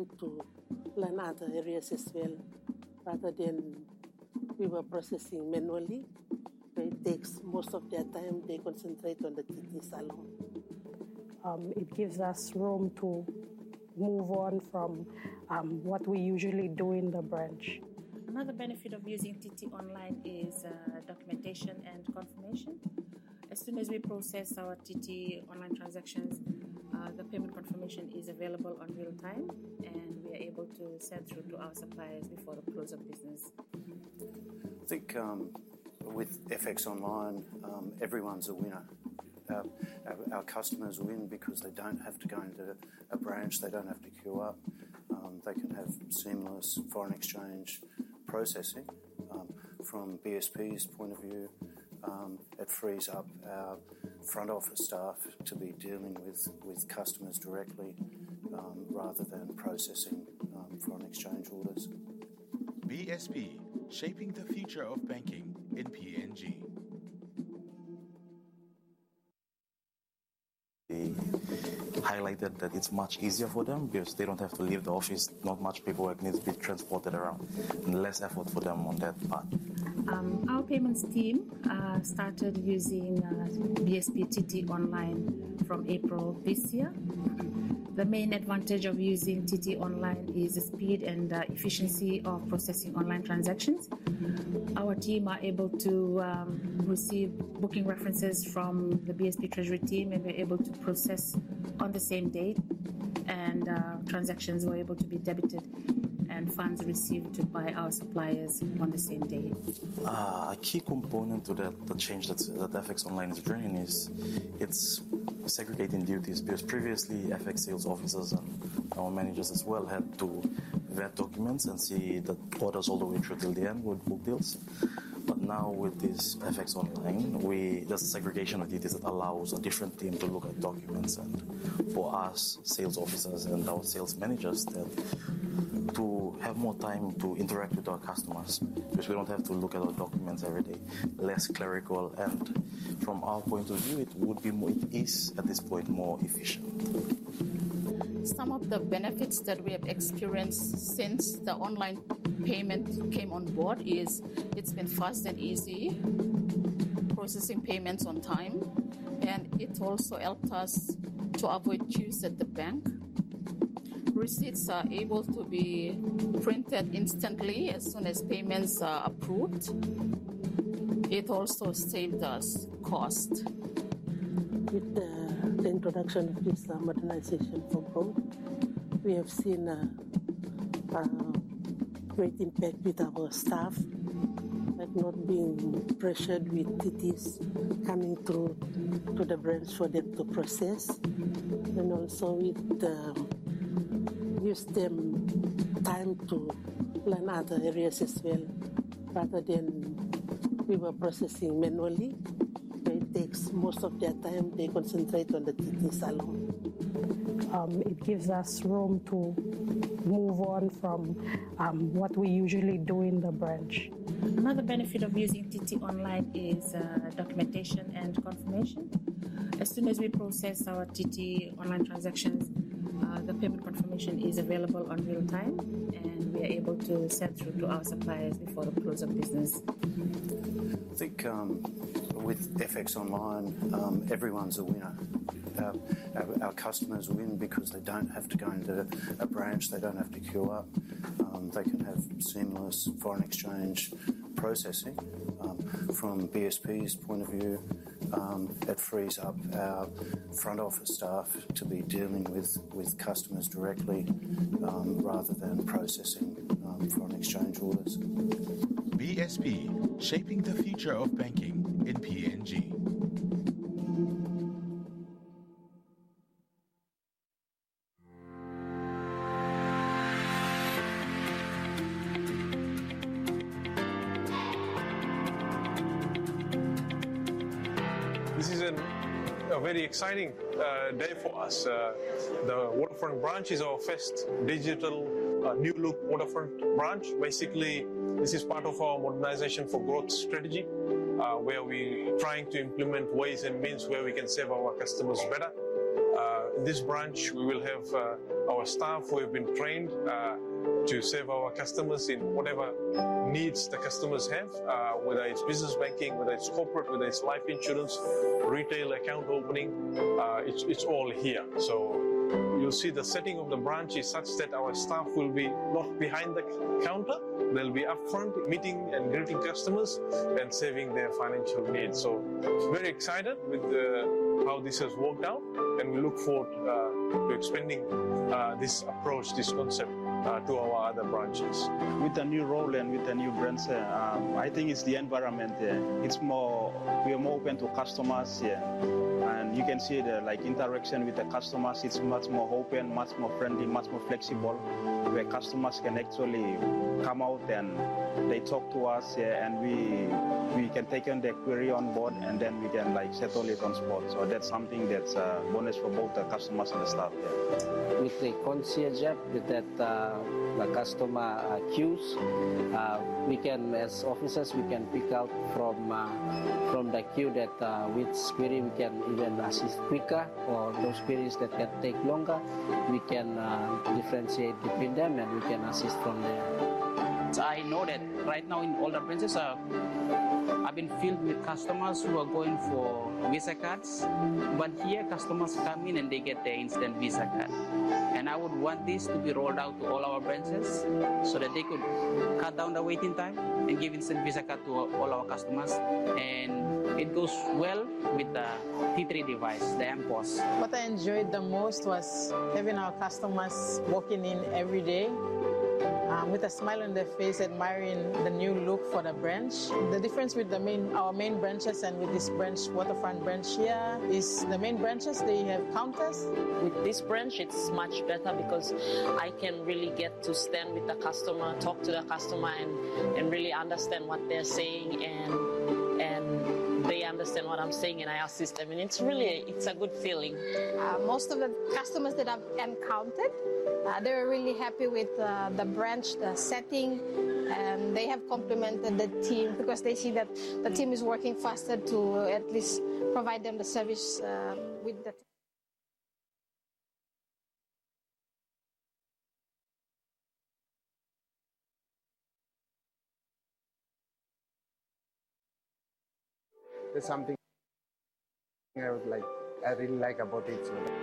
I'll do Lana at the area as well. Rather than we were processing manually, it takes most of their time, they concentrate on the TT salon. It gives us room to move on from what we usually do in the branch. Another benefit of using TT Online is documentation and confirmation. As soon as we process our TT Online transactions, the payment confirmation is available in real time, and we are able to send through to our suppliers before the close of business. I think with FX Online, everyone's a winner. Our customers win because they don't have to go into a branch, they don't have to queue up. They can have seamless foreign exchange processing. From BSP's point of view, it frees up our front office staff to be dealing with customers directly rather than processing foreign exchange orders. BSP: Shaping the Future of Banking in PNG. They highlighted that it's much easier for them because they don't have to leave the office, not much paperwork needs to be transported around, and less effort for them on that part. Our payments team started using BSP TT Online from April this year. The main advantage of using TT Online is the speed and efficiency of processing online transactions. Our team are able to receive booking references from the BSP treasury team, and we're able to process on the same date, and transactions were able to be debited and funds received by our suppliers on the same day. A key component to the change that FX Online is bringing is it's segregating duties because previously FX sales officers and our managers as well had to vet documents and see the orders all the way through till the end with book deals. Now with this FX Online, there's a segregation of duties that allows a different team to look at documents. For us sales officers and our sales managers, to have more time to interact with our customers because we don't have to look at our documents every day. Less clerical, and from our point of view, it would be more—it is at this point more efficient. Some of the benefits that we have experienced since the online payment came on board is it's been fast and easy, processing payments on time, and it also helped us to avoid queues at the bank. Receipts are able to be printed instantly as soon as payments are approved. It also saved us cost. With the introduction of this Modernizing for Growth, we have seen a great impact with our staff, like not being pressured with TTs coming through to the branch for them to process. Also with the use of time to plan other areas as well. Rather than we were processing manually, they take most of their time, they concentrate on the TT salon. It gives us room to move on from what we usually do in the branch. Another benefit of using TT Online is documentation and confirmation. As soon as we process our TT Online transactions, the payment confirmation is available in real time, and we are able to send through to our suppliers before the close of business. I think with FX Online, everyone's a winner. Our customers win because they don't have to go into a branch, they don't have to queue up. They can have seamless foreign exchange processing. From BSP's point of view, it frees up our front office staff to be dealing with customers directly rather than processing foreign exchange orders. BSP: Shaping the Future of Banking in PNG. This is a very exciting day for us. The Waterfront branch is our first digital new look Waterfront branch. Basically, this is part of our Modernizing for Growth strategy, where we are trying to implement ways and means where we can serve our customers better. In this branch, we will have our staff who have been trained to serve our customers in whatever needs the customers have, whether it's business banking, whether it's corporate, whether it's life insurance, retail account opening. It's all here. You will see the setting of the branch is such that our staff will be not behind the counter. They will be upfront meeting and greeting customers and serving their financial needs. Very excited with how this has worked out, and we look forward to expanding this approach, this concept to our other branches. With the new role and with the new branch, I think it's the environment here. We are more open to customers here, and you can see the interaction with the customers. It's much more open, much more friendly, much more flexible, where customers can actually come out and they talk to us, and we can take on their query on board, and then we can settle it on spot. That's something that's a bonus for both the customers and the staff here. With the Concierge app, with the customer queues, we can, as officers, we can pick out from the queue that which query we can even assist quicker, or those queries that can take longer, we can differentiate between them and we can assist from there. I know that right now in all the branches, I've been filled with customers who are going for Visa cards, but here customers come in and they get their instant Visa card. I would want this to be rolled out to all our branches so that they could cut down the waiting time and give instant Visa card to all our customers. It goes well with the T3 device, the M-POS. What I enjoyed the most was having our customers walking in every day with a smile on their face, admiring the new look for the branch. The difference with our main branches and with this branch, Waterfront branch here, is the main branches, they have counters. With this branch, it's much better because I can really get to stand with the customer, talk to the customer, and really understand what they're saying, and they understand what I'm saying, and I assist them. It's really a good feeling. Most of the customers that I've encountered, they were really happy with the branch, the setting, and they have complimented the team because they see that the team is working faster to at least provide them the service. There's something I really like about it.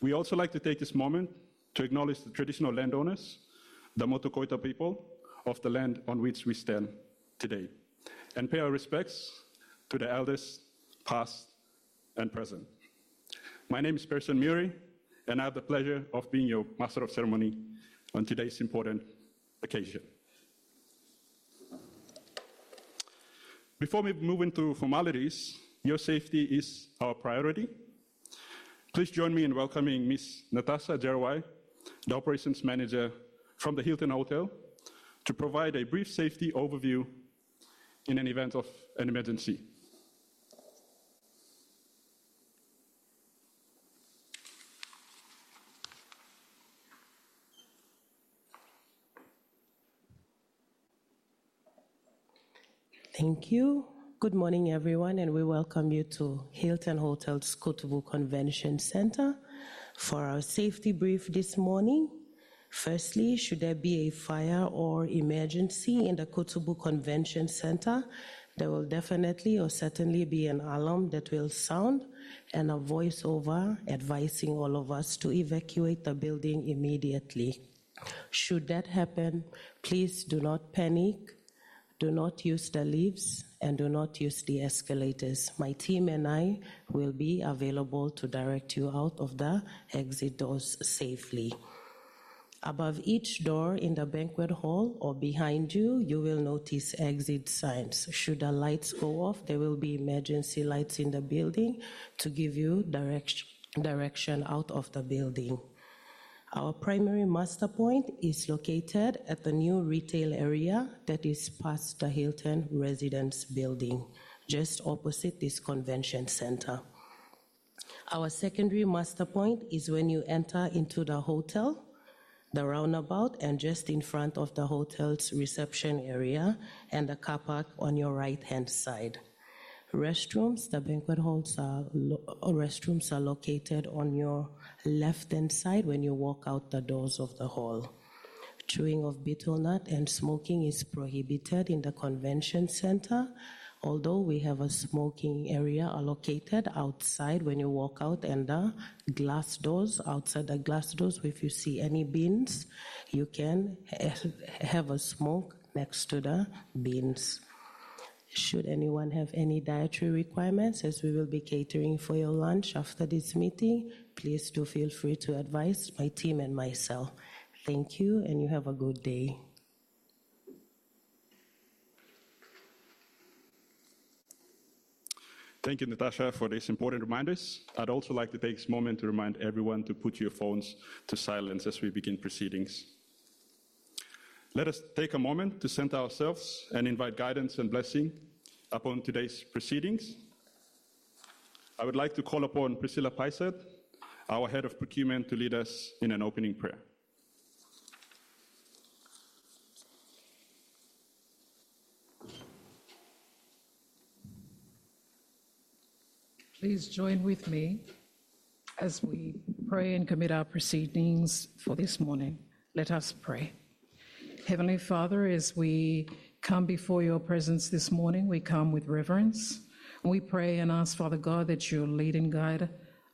We also like to take this moment to acknowledge the traditional landowners, the Motu Koita people of the land on which we stand today, and pay our respects to the elders past and present. My name is Pereson Murray, and I have the pleasure of being your Master of Ceremony on today's important occasion. Before we move into formalities, your safety is our priority. Please join me in welcoming Ms. Natasha Jerwai, the Operations Manager from the Hilton Hotel, to provide a brief safety overview in an event of an emergency. Thank you. Good morning, everyone, and we welcome you to Hilton Hotel's Kotobu Convention Center for our safety brief this morning. Firstly, should there be a fire or emergency in the Kotobu Convention Center, there will definitely or certainly be an alarm that will sound and a voiceover advising all of us to evacuate the building immediately. Should that happen, please do not panic, do not use the lifts, and do not use the escalators. My team and I will be available to direct you out of the exit doors safely. Above each door in the banquet hall or behind you, you will notice exit signs. Should the lights go off, there will be emergency lights in the building to give you direction out of the building. Our primary master point is located at the new retail area that is past the Hilton Residence building, just opposite this convention center. Our secondary master point is when you enter into the hotel, the roundabout, and just in front of the hotel's reception area and the car park on your right-hand side. Restrooms, the banquet halls, are located on your left-hand side when you walk out the doors of the hall. Chewing of betel nut and smoking is prohibited in the convention center, although we have a smoking area located outside when you walk out and the glass doors. Outside the glass doors, if you see any bins, you can have a smoke next to the bins. Should anyone have any dietary requirements, as we will be catering for your lunch after this meeting, please do feel free to advise my team and myself. Thank you, and you have a good day. Thank you, Natasha, for these important reminders. I'd also like to take this moment to remind everyone to put your phones to silence as we begin proceedings. Let us take a moment to center ourselves and invite guidance and blessing upon today's proceedings. I would like to call upon priscilla paissat, our Head of Procurement, to lead us in an opening prayer. Please join with me as we pray and commit our proceedings for this morning. Let us pray. Heavenly Father, as we come before Your presence this morning, we come with reverence. We pray and ask Father God that You'll lead and guide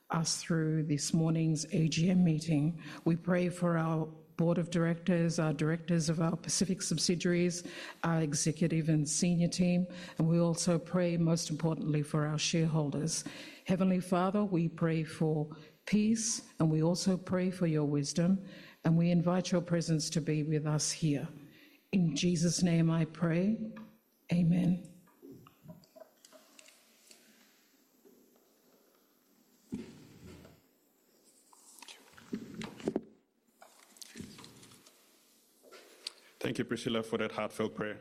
us through this morning's AGM meeting. We pray for our Board of Directors, our Directors of our Pacific subsidiaries, our executive and senior team, and we also pray, most importantly, for our shareholders. Heavenly Father, we pray for peace, and we also pray for Your wisdom, and we invite Your presence to be with us here. In Jesus' name, I pray. Amen. Thank you, Priscilla, for that heartfelt prayer.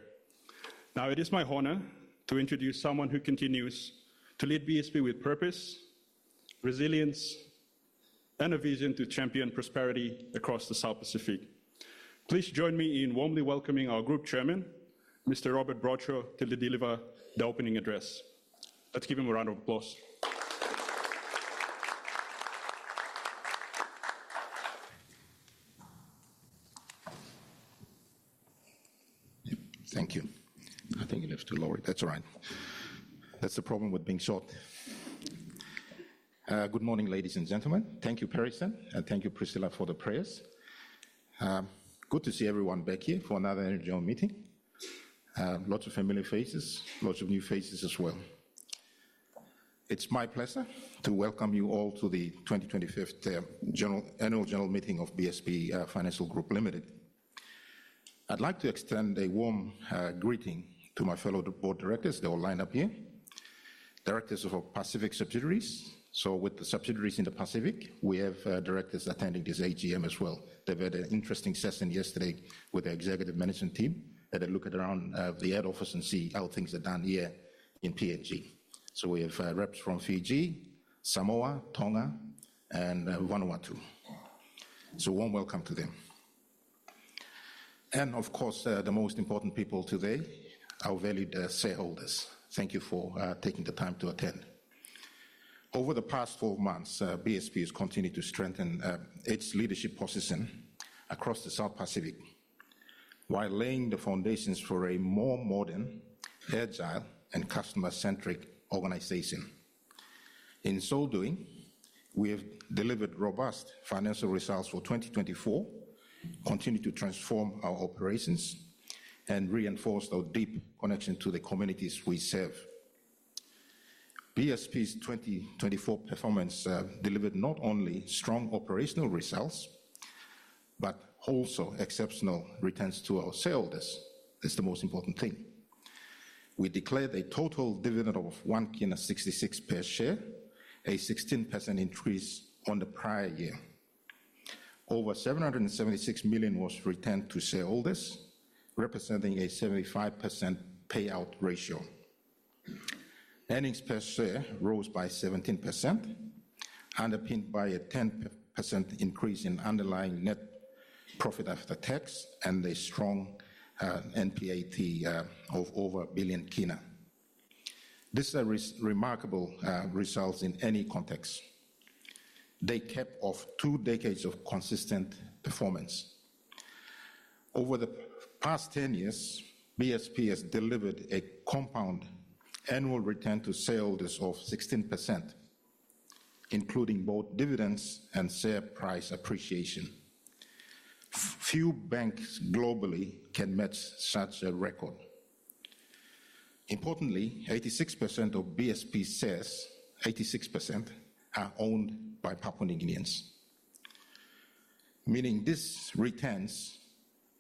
Now, it is my honor to introduce someone who continues to lead BSP with purpose, resilience, and a vision to champion prosperity across the South Pacific. Please join me in warmly welcoming our Group Chairman, Mr.Robert Bradshaw, to deliver the opening address. Let's give him a round of applause. Thank you. I think you left it to Lori. That's all right. That's the problem with being short. Good morning, ladies and gentlemen. Thank you, Pereson, and thank you, Priscilla, for the prayers. Good to see everyone back here for another general meeting. Lots of familiar faces, lots of new faces as well. It's my pleasure to welcome you all to the 2025 Annual General Meeting of BSP Financial Group Limited. I'd like to extend a warm greeting to my fellow Board Directors. They're all lined up here. Directors of our Pacific subsidiaries. With the subsidiaries in the Pacific, we have directors attending this AGM as well. They had an interesting session yesterday with the Executive Management Team that they look at around the head office and see how things are done here in Papua New Guinea. We have reps from Fiji, Samoa, Tonga, and Vanuatu. A warm welcome to them. Of course, the most important people today, our valued shareholders. Thank you for taking the time to attend. Over the past four months, BSP has continued to strengthen its leadership position across the South Pacific while laying the foundations for a more modern, agile, and customer-centric organization. In so doing, we have delivered robust financial results for 2024, continued to transform our operations, and reinforced our deep connection to the communities we serve. BSP's 2024 performance delivered not only strong operational results but also exceptional returns to our shareholders. That's the most important thing. We declared a total dividend of PGK 1.66 per share, a 16% increase on the prior year. Over PGK 776 million was returned to shareholders, representing a 75% payout ratio. Earnings per share rose by 17%, underpinned by a 10% increase in underlying net profit after tax and a strong NPAT of over PGK 1 billion. This is a remarkable result in any context. They cap off two decades of consistent performance. Over the past 10 years, BSP has delivered a compound annual return to shareholders of 16%, including both dividends and share price appreciation. Few banks globally can match such a record. Importantly, 86% of BSP shares, 86%, are owned by Papua New Guineans, meaning these returns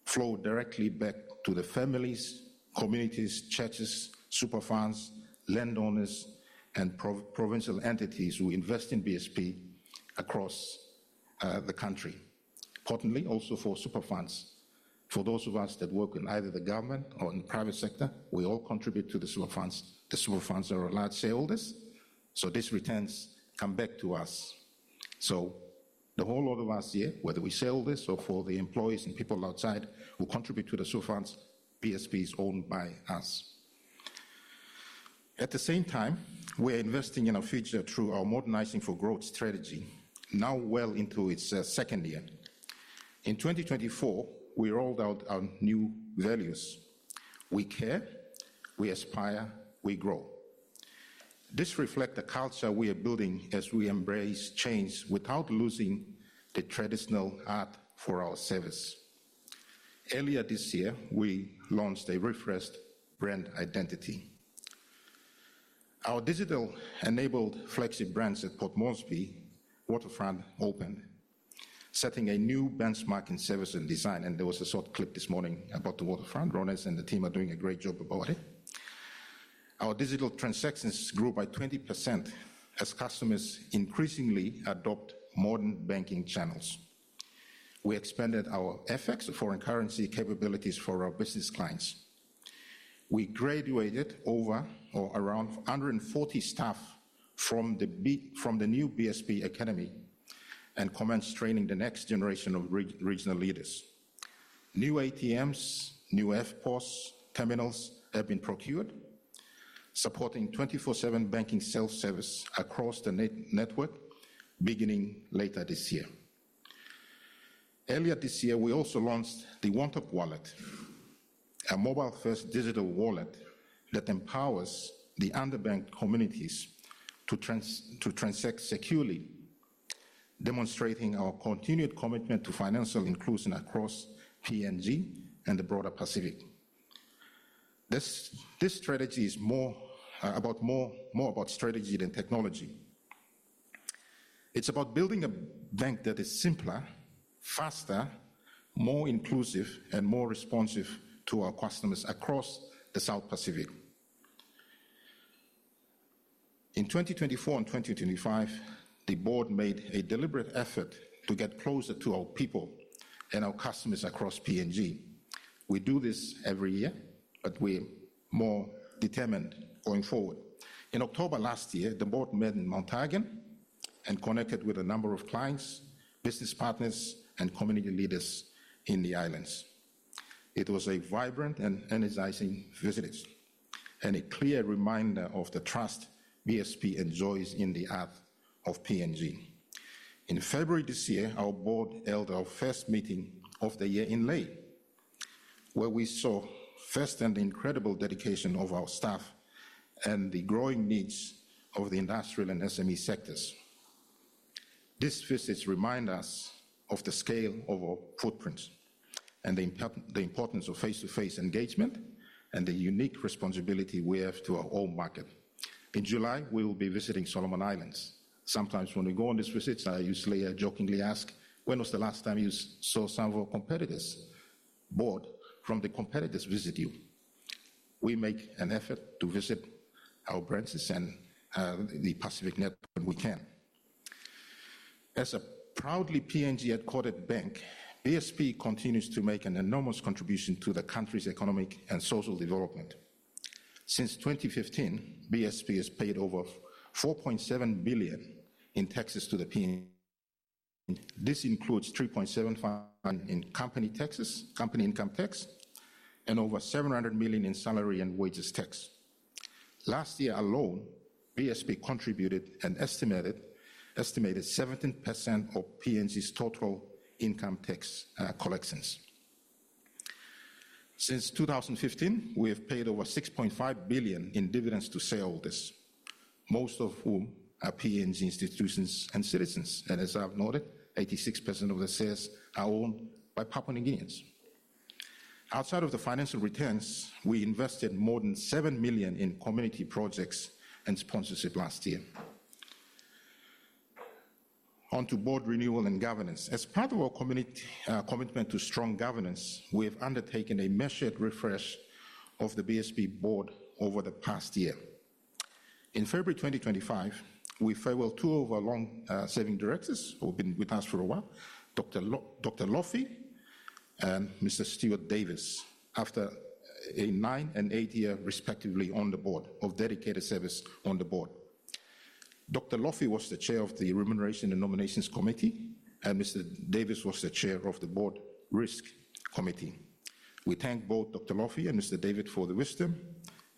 flow directly back to the families, communities, churches, super funds, landowners, and provincial entities who invest in BSP across the country. Importantly, also for super funds, for those of us that work in either the government or in the private sector, we all contribute to the super funds. The super funds are our large shareholders, so these returns come back to us. The whole lot of us here, whether we shareholders or for the employees and people outside who contribute to the super funds, BSP is owned by us. At the same time, we are investing in our future through our Modernizing for Growth strategy, now well into its second year. In 2024, we rolled out our new values. We care, we aspire, we grow. This reflects the culture we are building as we embrace change without losing the traditional art for our service. Earlier this year, we launched a refreshed brand identity. Our digital-enabled flagship brands at Port Moresby, Waterfront, opened, setting a new benchmark in service and design, and there was a short clip this morning about the Waterfront. Ronis and the team are doing a great job about it. Our digital transactions grew by 20% as customers increasingly adopt modern banking channels. We expanded our FX, foreign currency capabilities for our business clients. We graduated over or around 140 staff from the new BSP Academy and commenced training the next generation of regional leaders. New ATMs, new FPOS terminals have been procured, supporting 24/7 banking self-service across the network beginning later this year. Earlier this year, we also launched the OneTok Wallet, a mobile-first digital wallet that empowers the underbanked communities to transact securely, demonstrating our continued commitment to financial inclusion across PNG and the broader Pacific. This strategy is more about strategy than technology. It is about building a bank that is simpler, faster, more inclusive, and more responsive to our customers across the South Pacific. In 2024 and 2025, the Board made a deliberate effort to get closer to our people and our customers across PNG. We do this every year, but we are more determined going forward. In October last year, the Board met in Manus Islands and connected with a number of clients, business partners, and community leaders in the islands. It was a vibrant and energizing visit and a clear reminder of the trust BSP enjoys in the heart of PNG. In February this year, our Board held our first meeting of the year in Lae, where we saw firsthand the incredible dedication of our staff and the growing needs of the industrial and SME sectors. This visit reminds us of the scale of our footprint and the importance of face-to-face engagement and the unique responsibility we have to our own market. In July, we will be visiting Solomon Islands. Sometimes when we go on these visits, I usually jokingly ask, "When was the last time you saw some of our competitors?" Board, from the competitors visit you. We make an effort to visit our branches and the Pacific network when we can. As a proudly PNG headquartered bank, BSP continues to make an enormous contribution to the country's economic and social development. Since 2015, BSP has paid over PGK 4.7 billion in taxes to PNG. This includes PGK 3.75 million in company income tax and over PGK 700 million in salary and wages tax. Last year alone, BSP contributed an estimated 17% of PNG's total income tax collections. Since 2015, we have paid over PGK 6.5 billion in dividends to shareholders, most of whom are PNG institutions and citizens. As I've noted, 86% of the shares are owned by Papua New Guineans. Outside of the financial returns, we invested more than PGK 7 million in community projects and sponsorship last year. On to board renewal and governance. As part of our commitment to strong governance, we have undertaken a measured refresh of the BSP board over the past year. In February 2025, we farewelled two of our long-serving directors who have been with us for a while, Dr. Lofi and Mr. Stewart Davis, after a nine and eight-year, respectively, on the board of dedicated service on the board. Dr. Lofi was the chair of the Remuneration and Nominations Committee, and Mr. Davis was the chair of the Board Risk Committee. We thank both Dr. Lofi and Mr. Davis for the wisdom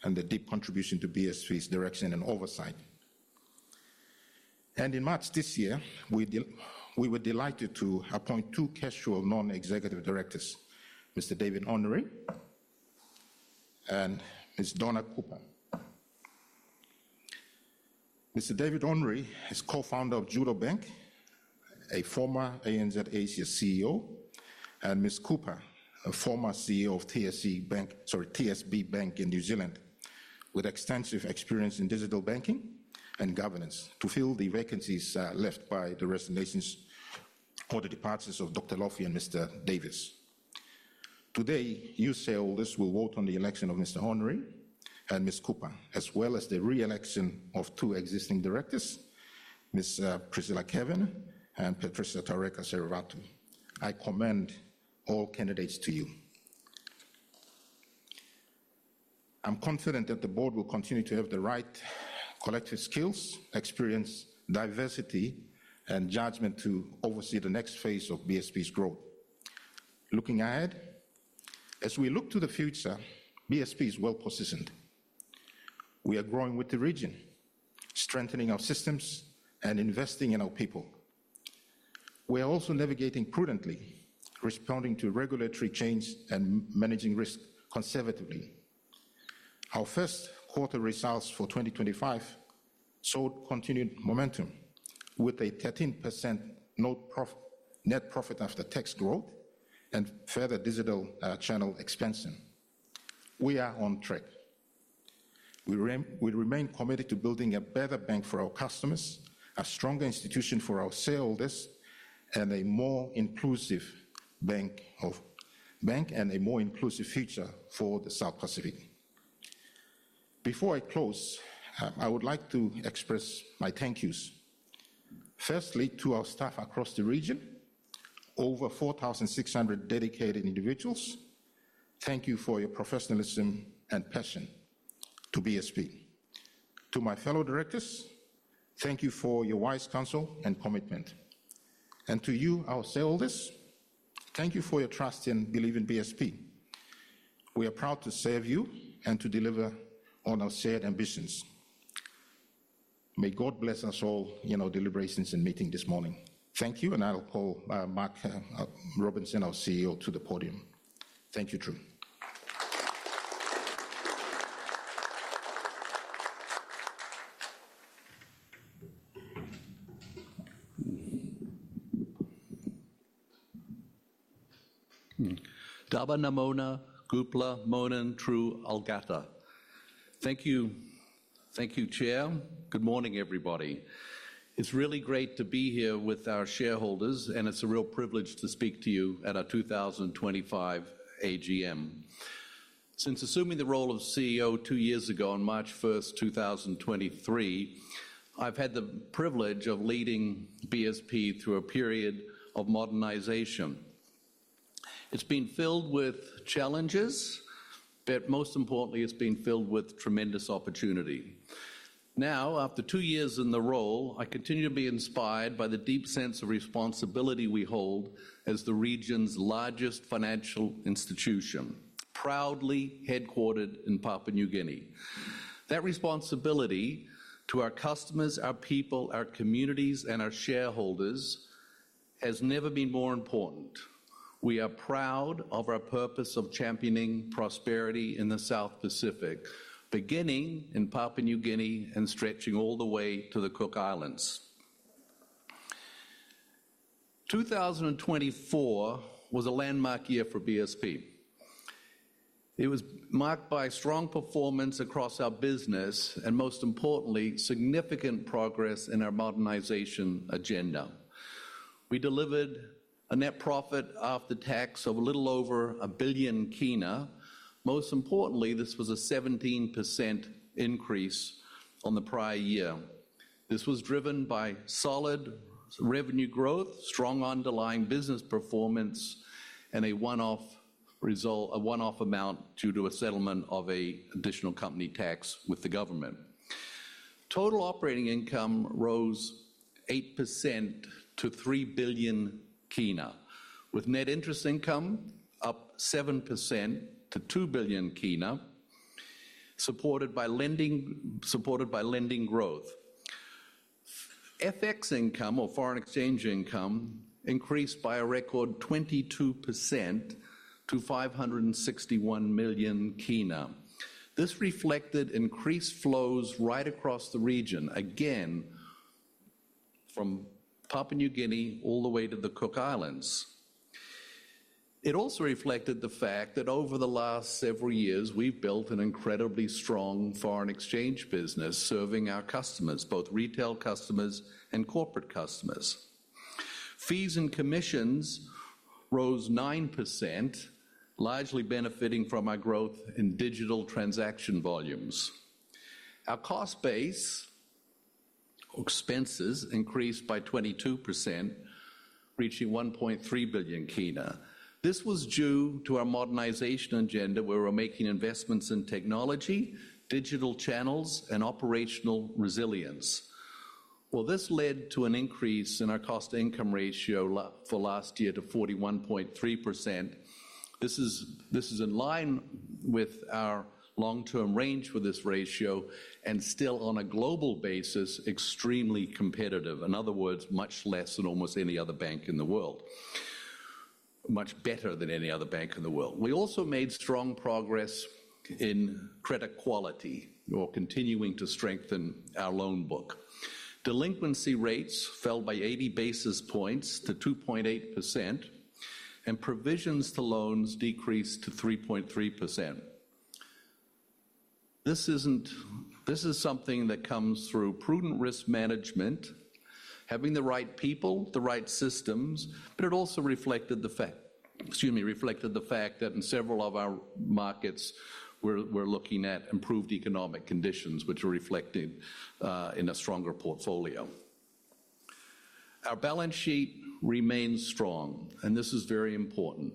and the deep contribution to BSP's direction and oversight. In March this year, we were delighted to appoint two casual non-executive directors, Mr. David Honoré and Ms. Donna Cooper. Mr. David Honoré is co-founder of Judo Bank, a former ANZ Asia CEO, and Ms. Cooper, a former CEO of TSB Bank in New Zealand, with extensive experience in digital banking and governance to fill the vacancies left by the resignations or the departures of Dr. Lofi and Mr. Davis. Today, new shareholders will vote on the election of Mr. Honoré and Ms. Cooper, as well as the re-election of two existing directors, Ms. Priscilla Kevin and Patricia Tarek Serovatu. I commend all candidates to you. I'm confident that the board will continue to have the right collective skills, experience, diversity, and judgment to oversee the next phase of BSP's growth. Looking ahead, as we look to the future, BSP is well-positioned. We are growing with the region, strengthening our systems and investing in our people. We are also navigating prudently, responding to regulatory change and managing risk conservatively. Our first quarter results for 2025 showed continued momentum with a 13% net profit after tax growth and further digital channel expansion. We are on track. We remain committed to building a better bank for our customers, a stronger institution for our shareholders, and a more inclusive bank and a more inclusive future for the South Pacific. Before I close, I would like to express my thank yous, firstly to our staff across the region, over 4,600 dedicated individuals. Thank you for your professionalism and passion to BSP. To my fellow directors, thank you for your wise counsel and commitment. To you, our shareholders, thank you for your trust and belief in BSP. We are proud to serve you and to deliver on our shared ambitions. May God bless us all in our deliberations and meeting this morning. Thank you, and I'll call Mark Robinson, our CEO, to the podium. Thank you, Drew. Daba Namona, Gupla, Monan, Drew, Algata. Thank you. Thank you, Chair. Good morning, everybody. It's really great to be here with our shareholders, and it's a real privilege to speak to you at our 2025 AGM. Since assuming the role of CEO two years ago on March 1st, 2023, I've had the privilege of leading BSP through a period of modernization. It's been filled with challenges, but most importantly, it's been filled with tremendous opportunity. Now, after two years in the role, I continue to be inspired by the deep sense of responsibility we hold as the region's largest financial institution, proudly headquartered in Papua New Guinea. That responsibility to our customers, our people, our communities, and our shareholders has never been more important. We are proud of our purpose of championing prosperity in the South Pacific, beginning in Papua New Guinea and stretching all the way to the Cook Islands. 2024 was a landmark year for BSP. It was marked by strong performance across our business and, most importantly, significant progress in our modernization agenda. We delivered a net profit after tax of a little over K 1 billion. Most importantly, this was a 17% increase on the prior year. This was driven by solid revenue growth, strong underlying business performance, and a one-off result, a one-off amount due to a settlement of an additional company tax with the government. Total operating income rose 8% to PGK 3 billion, with net interest income up 7% to PGK 2 billion, supported by lending growth. FX income or foreign exchange income increased by a record 22% to PGK 561 million. This reflected increased flows right across the region, again from Papua New Guinea all the way to the Cook Islands. It also reflected the fact that over the last several years, we've built an incredibly strong foreign exchange business serving our customers, both retail customers and corporate customers. Fees and commissions rose 9%, largely benefiting from our growth in digital transaction volumes. Our cost base expenses increased by 22%, reaching PGK 1.3 billion. This was due to our modernization agenda, where we're making investments in technology, digital channels, and operational resilience. This led to an increase in our cost-to-income ratio for last year to 41.3%. This is in line with our long-term range for this ratio and still, on a global basis, extremely competitive. In other words, much less than almost any other bank in the world, much better than any other bank in the world. We also made strong progress in credit quality while continuing to strengthen our loan book. Delinquency rates fell by 80 basis points to 2.8%, and provisions to loans decreased to 3.3%. This is something that comes through prudent risk management, having the right people, the right systems, but it also reflected the fact that in several of our markets, we're looking at improved economic conditions, which are reflected in a stronger portfolio. Our balance sheet remains strong, and this is very important.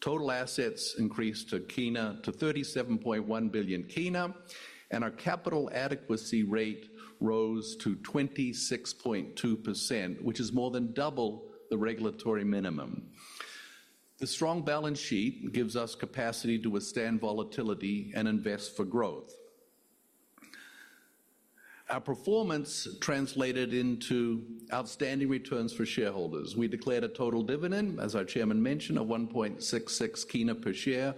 Total assets increased to PGK 37.1 billion, and our capital adequacy ratio rose to 26.2%, which is more than double the regulatory minimum. The strong balance sheet gives us capacity to withstand volatility and invest for growth. Our performance translated into outstanding returns for shareholders. We declared a total dividend, as our Chairman mentioned, of PGK 1.66 per share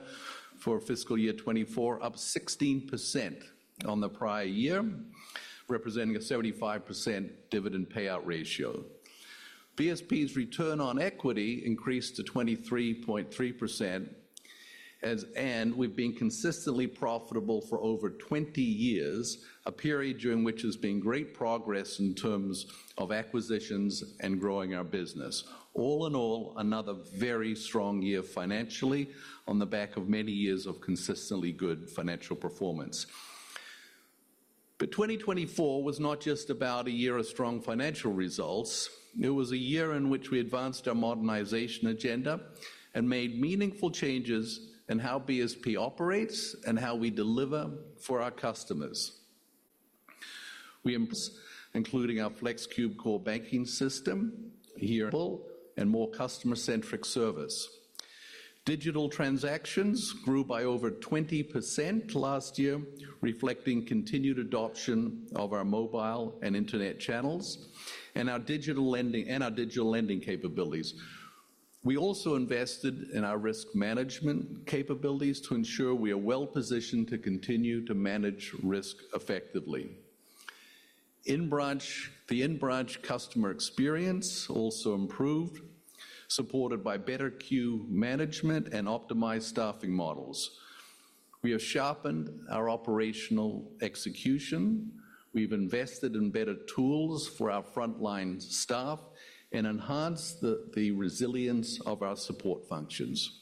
for fiscal year 2024, up 16% on the prior year, representing a 75% dividend payout ratio. BSP's return on equity increased to 23.3%, and we've been consistently profitable for over 20 years, a period during which there's been great progress in terms of acquisitions and growing our business. All in all, another very strong year financially on the back of many years of consistently good financial performance. 2024 was not just about a year of strong financial results. It was a year in which we advanced our modernization agenda and made meaningful changes in how BSP operates and how we deliver for our customers. We, including our FlexCube Core Banking System, here. And more customer-centric service. Digital transactions grew by over 20% last year, reflecting continued adoption of our mobile and internet channels and our digital lending capabilities. We also invested in our risk management capabilities to ensure we are well-positioned to continue to manage risk effectively. The in-branch customer experience also improved, supported by better queue management and optimized staffing models. We have sharpened our operational execution. We've invested in better tools for our frontline staff and enhanced the resilience of our support functions.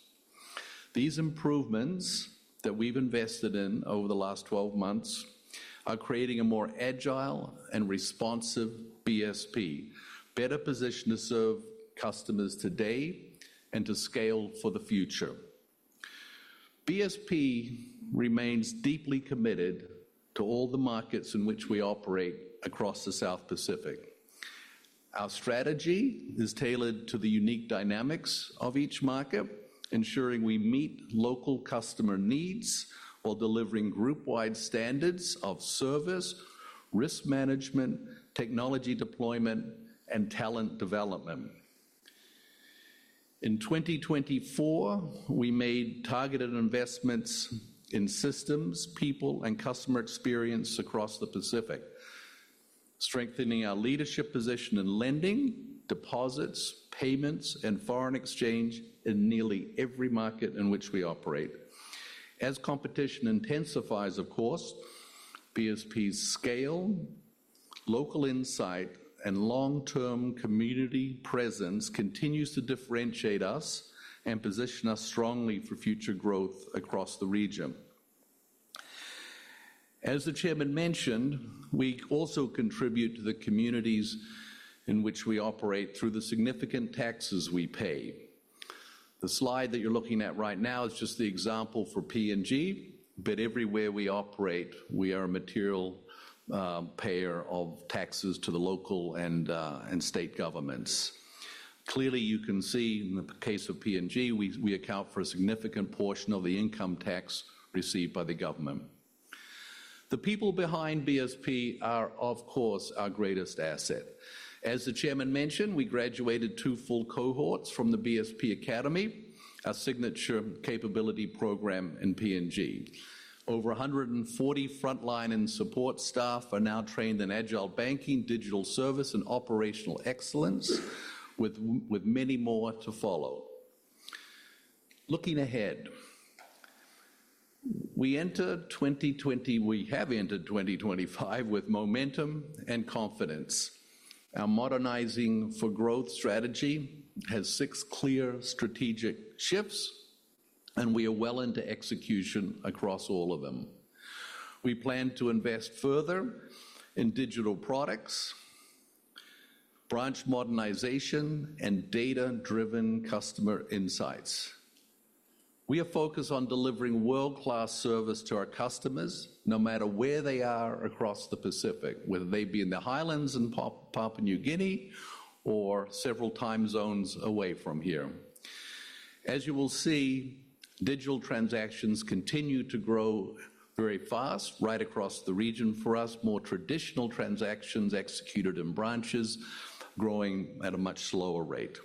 These improvements that we've invested in over the last 12 months are creating a more agile and responsive BSP, better positioned to serve customers today and to scale for the future. BSP remains deeply committed to all the markets in which we operate across the South Pacific. Our strategy is tailored to the unique dynamics of each market, ensuring we meet local customer needs while delivering group-wide standards of service, risk management, technology deployment, and talent development. In 2024, we made targeted investments in systems, people, and customer experience across the Pacific, strengthening our leadership position in lending, deposits, payments, and foreign exchange in nearly every market in which we operate. As competition intensifies, of course, BSP's scale, local insight, and long-term community presence continues to differentiate us and position us strongly for future growth across the region. As the Chairman mentioned, we also contribute to the communities in which we operate through the significant taxes we pay. The slide that you're looking at right now is just the example for PNG, but everywhere we operate, we are a material payer of taxes to the local and state governments. Clearly, you can see in the case of PNG, we account for a significant portion of the income tax received by the government. The people behind BSP are, of course, our greatest asset. As the Chairman mentioned, we graduated two full cohorts from the BSP Academy, our signature capability program in PNG. Over 140 frontline and support staff are now trained in agile banking, digital service, and operational excellence, with many more to follow. Looking ahead, we have entered 2025 with momentum and confidence. Our Modernizing for Growth strategy has six clear strategic shifts, and we are well into execution across all of them. We plan to invest further in digital products, branch modernization, and data-driven customer insights. We are focused on delivering world-class service to our customers no matter where they are across the Pacific, whether they be in the Highlands in Papua New Guinea or several time zones away from here. As you will see, digital transactions continue to grow very fast right across the region for us, more traditional transactions executed in branches growing at a much slower rate.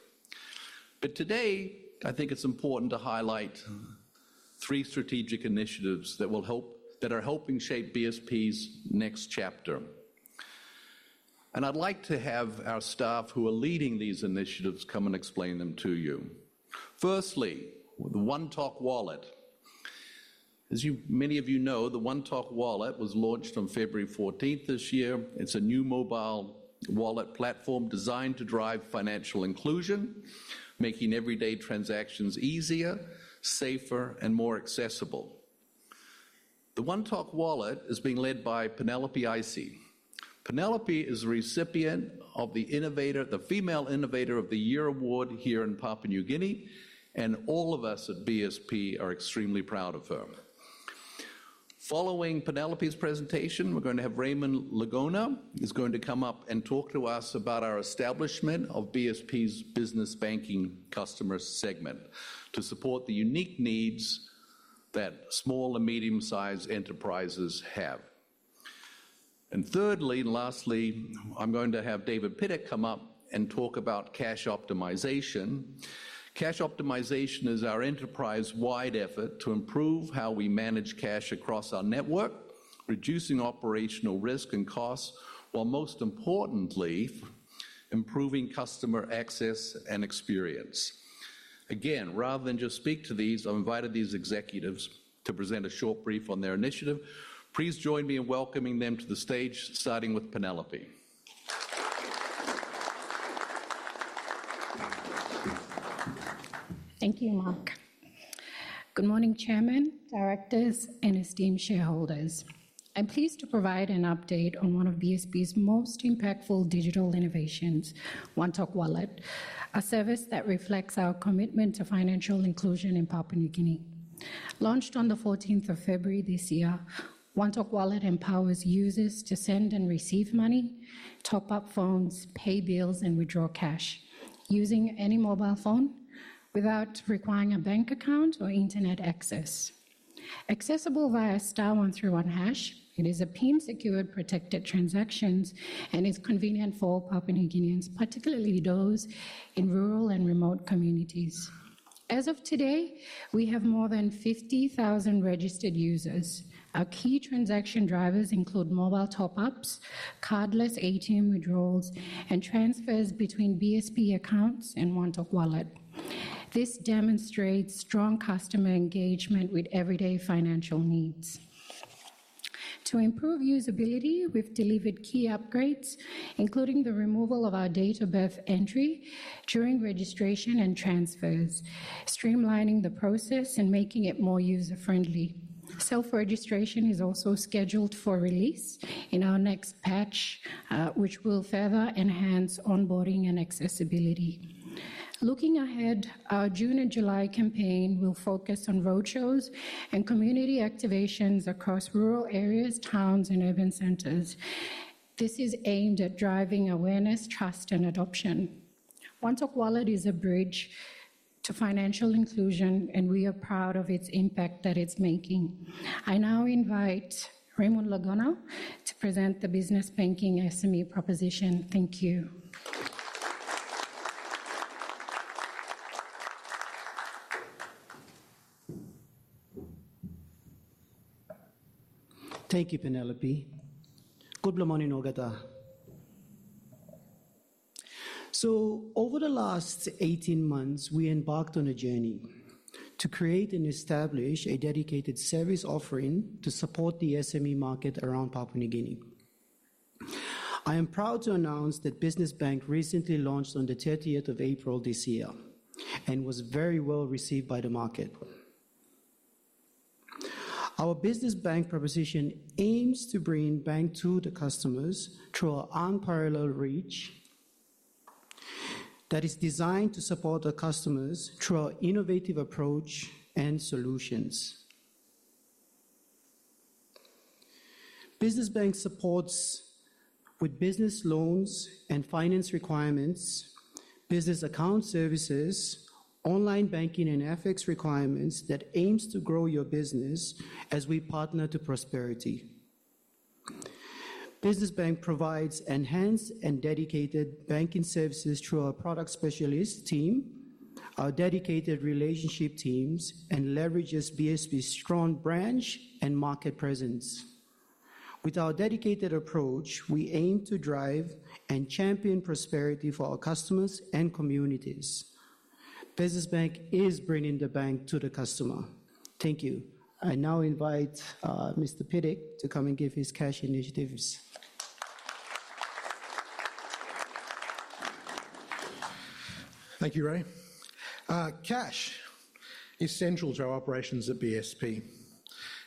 Today, I think it's important to highlight three strategic initiatives that are helping shape BSP's next chapter. I'd like to have our staff who are leading these initiatives come and explain them to you. Firstly, the OneTok Wallet. As many of you know, the OneTok Wallet was launched on February 14th this year. It's a new mobile wallet platform designed to drive financial inclusion, making everyday transactions easier, safer, and more accessible. The OneTok Wallet is being led by Penelope Aisi. Penelope is a recipient of the Female Innovator of the Year Award here in Papua New Guinea, and all of us at BSP are extremely proud of her. Following Penelope's presentation, we're going to have Raymond Logona. He's going to come up and talk to us about our establishment of BSP's business banking customer segment to support the unique needs that small and medium-sized enterprises have. Thirdly, and lastly, I'm going to have David Pidik come up and talk about cash optimization. Cash optimization is our enterprise-wide effort to improve how we manage cash across our network, reducing operational risk and costs, while most importantly, improving customer access and experience. Again, rather than just speak to these, I've invited these executives to present a short brief on their initiative. Please join me in welcoming them to the stage, starting with Penelope. Thank you, Mark. Good morning, Chairman, Directors, and esteemed shareholders. I'm pleased to provide an update on one of BSP's most impactful digital innovations, OneTok Wallet, a service that reflects our commitment to financial inclusion in Papua New Guinea. Launched on the 14th of February this year, OneTok Wallet empowers users to send and receive money, top up phones, pay bills, and withdraw cash using any mobile phone without requiring a bank account or internet access. Accessible via *131#, it is a PIM-secured, protected transaction, and it's convenient for Papua New Guineans, particularly those in rural and remote communities. As of today, we have more than 50,000 registered users. Our key transaction drivers include mobile top-ups, cardless ATM withdrawals, and transfers between BSP accounts and OneTok Wallet. This demonstrates strong customer engagement with everyday financial needs. To improve usability, we have delivered key upgrades, including the removal of our date of birth entry during registration and transfers, streamlining the process and making it more user-friendly. Self-registration is also scheduled for release in our next patch, which will further enhance onboarding and accessibility. Looking ahead, our June and July campaign will focus on roadshows and community activations across rural areas, towns, and urban centers. This is aimed at driving awareness, trust, and adoption. OneTok Wallet is a bridge to financial inclusion, and we are proud of its impact that it is making. I now invite Raymond Lagona to present the business banking SME proposition. Thank you. Thank you, Penelope. Good morning, Nogata. Over the last 18 months, we embarked on a journey to create and establish a dedicated service offering to support the SME market around Papua New Guinea. I am proud to announce that Business Bank recently launched on the 30th of April this year and was very well received by the market. Our Business Bank proposition aims to bring bank to the customers through our unparalleled reach that is designed to support our customers through our innovative approach and solutions. Business Bank supports with business loans and finance requirements, business account services, online banking, and FX requirements that aims to grow your business as we partner to prosperity. Business Bank provides enhanced and dedicated banking services through our product specialist team, our dedicated relationship teams, and leverages BSP's strong branch and market presence. With our dedicated approach, we aim to drive and champion prosperity for our customers and communities. Business Bank is bringing the bank to the customer. Thank you. I now invite Mr. Pidik to come and give his cash initiatives. Thank you, Ray. Cash is central to our operations at BSP.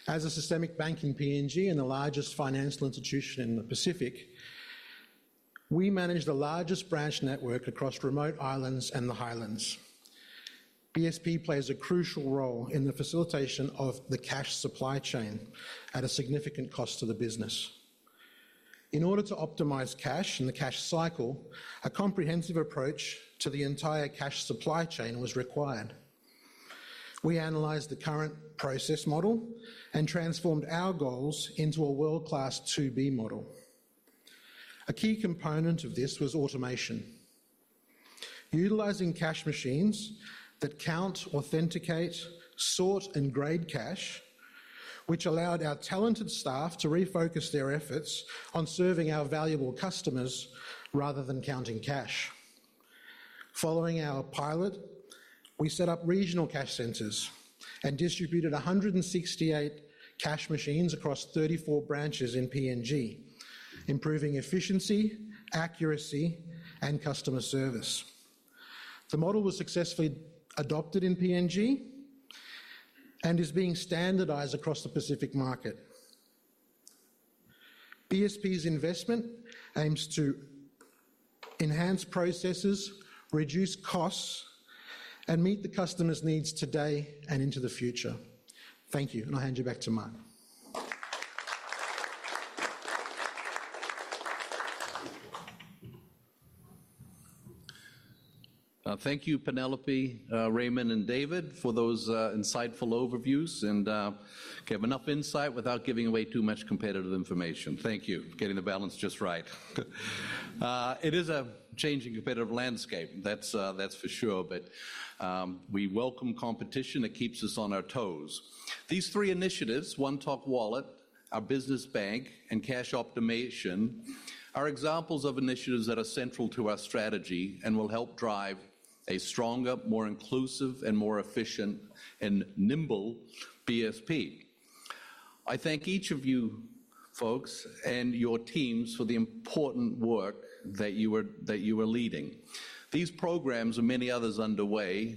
As a systemic banking PNG and the largest financial institution in the Pacific, we manage the largest branch network across remote islands and the Highlands. BSP plays a crucial role in the facilitation of the cash supply chain at a significant cost to the business. In order to optimize cash and the cash cycle, a comprehensive approach to the entire cash supply chain was required. We analyzed the current process model and transformed our goals into a world-class to-be model. A key component of this was automation. Utilizing cash machines that count, authenticate, sort, and grade cash, which allowed our talented staff to refocus their efforts on serving our valuable customers rather than counting cash. Following our pilot, we set up regional cash centers and distributed 168 cash machines across 34 branches in PNG, improving efficiency, accuracy, and customer service. The model was successfully adopted in PNG and is being standardized across the Pacific market. BSP's investment aims to enhance processes, reduce costs, and meet the customer's needs today and into the future. Thank you. I'll hand you back to Mark. Thank you, Penelope, Raymond, and David, for those insightful overviews and gave enough insight without giving away too much competitive information. Thank you. Getting the balance just right. It is a changing competitive landscape, that's for sure, but we welcome competition that keeps us on our toes. These three initiatives, OneTok Wallet, our business bank, and cash optimization are examples of initiatives that are central to our strategy and will help drive a stronger, more inclusive, and more efficient and nimble BSP. I thank each of you folks and your teams for the important work that you were leading. These programs and many others underway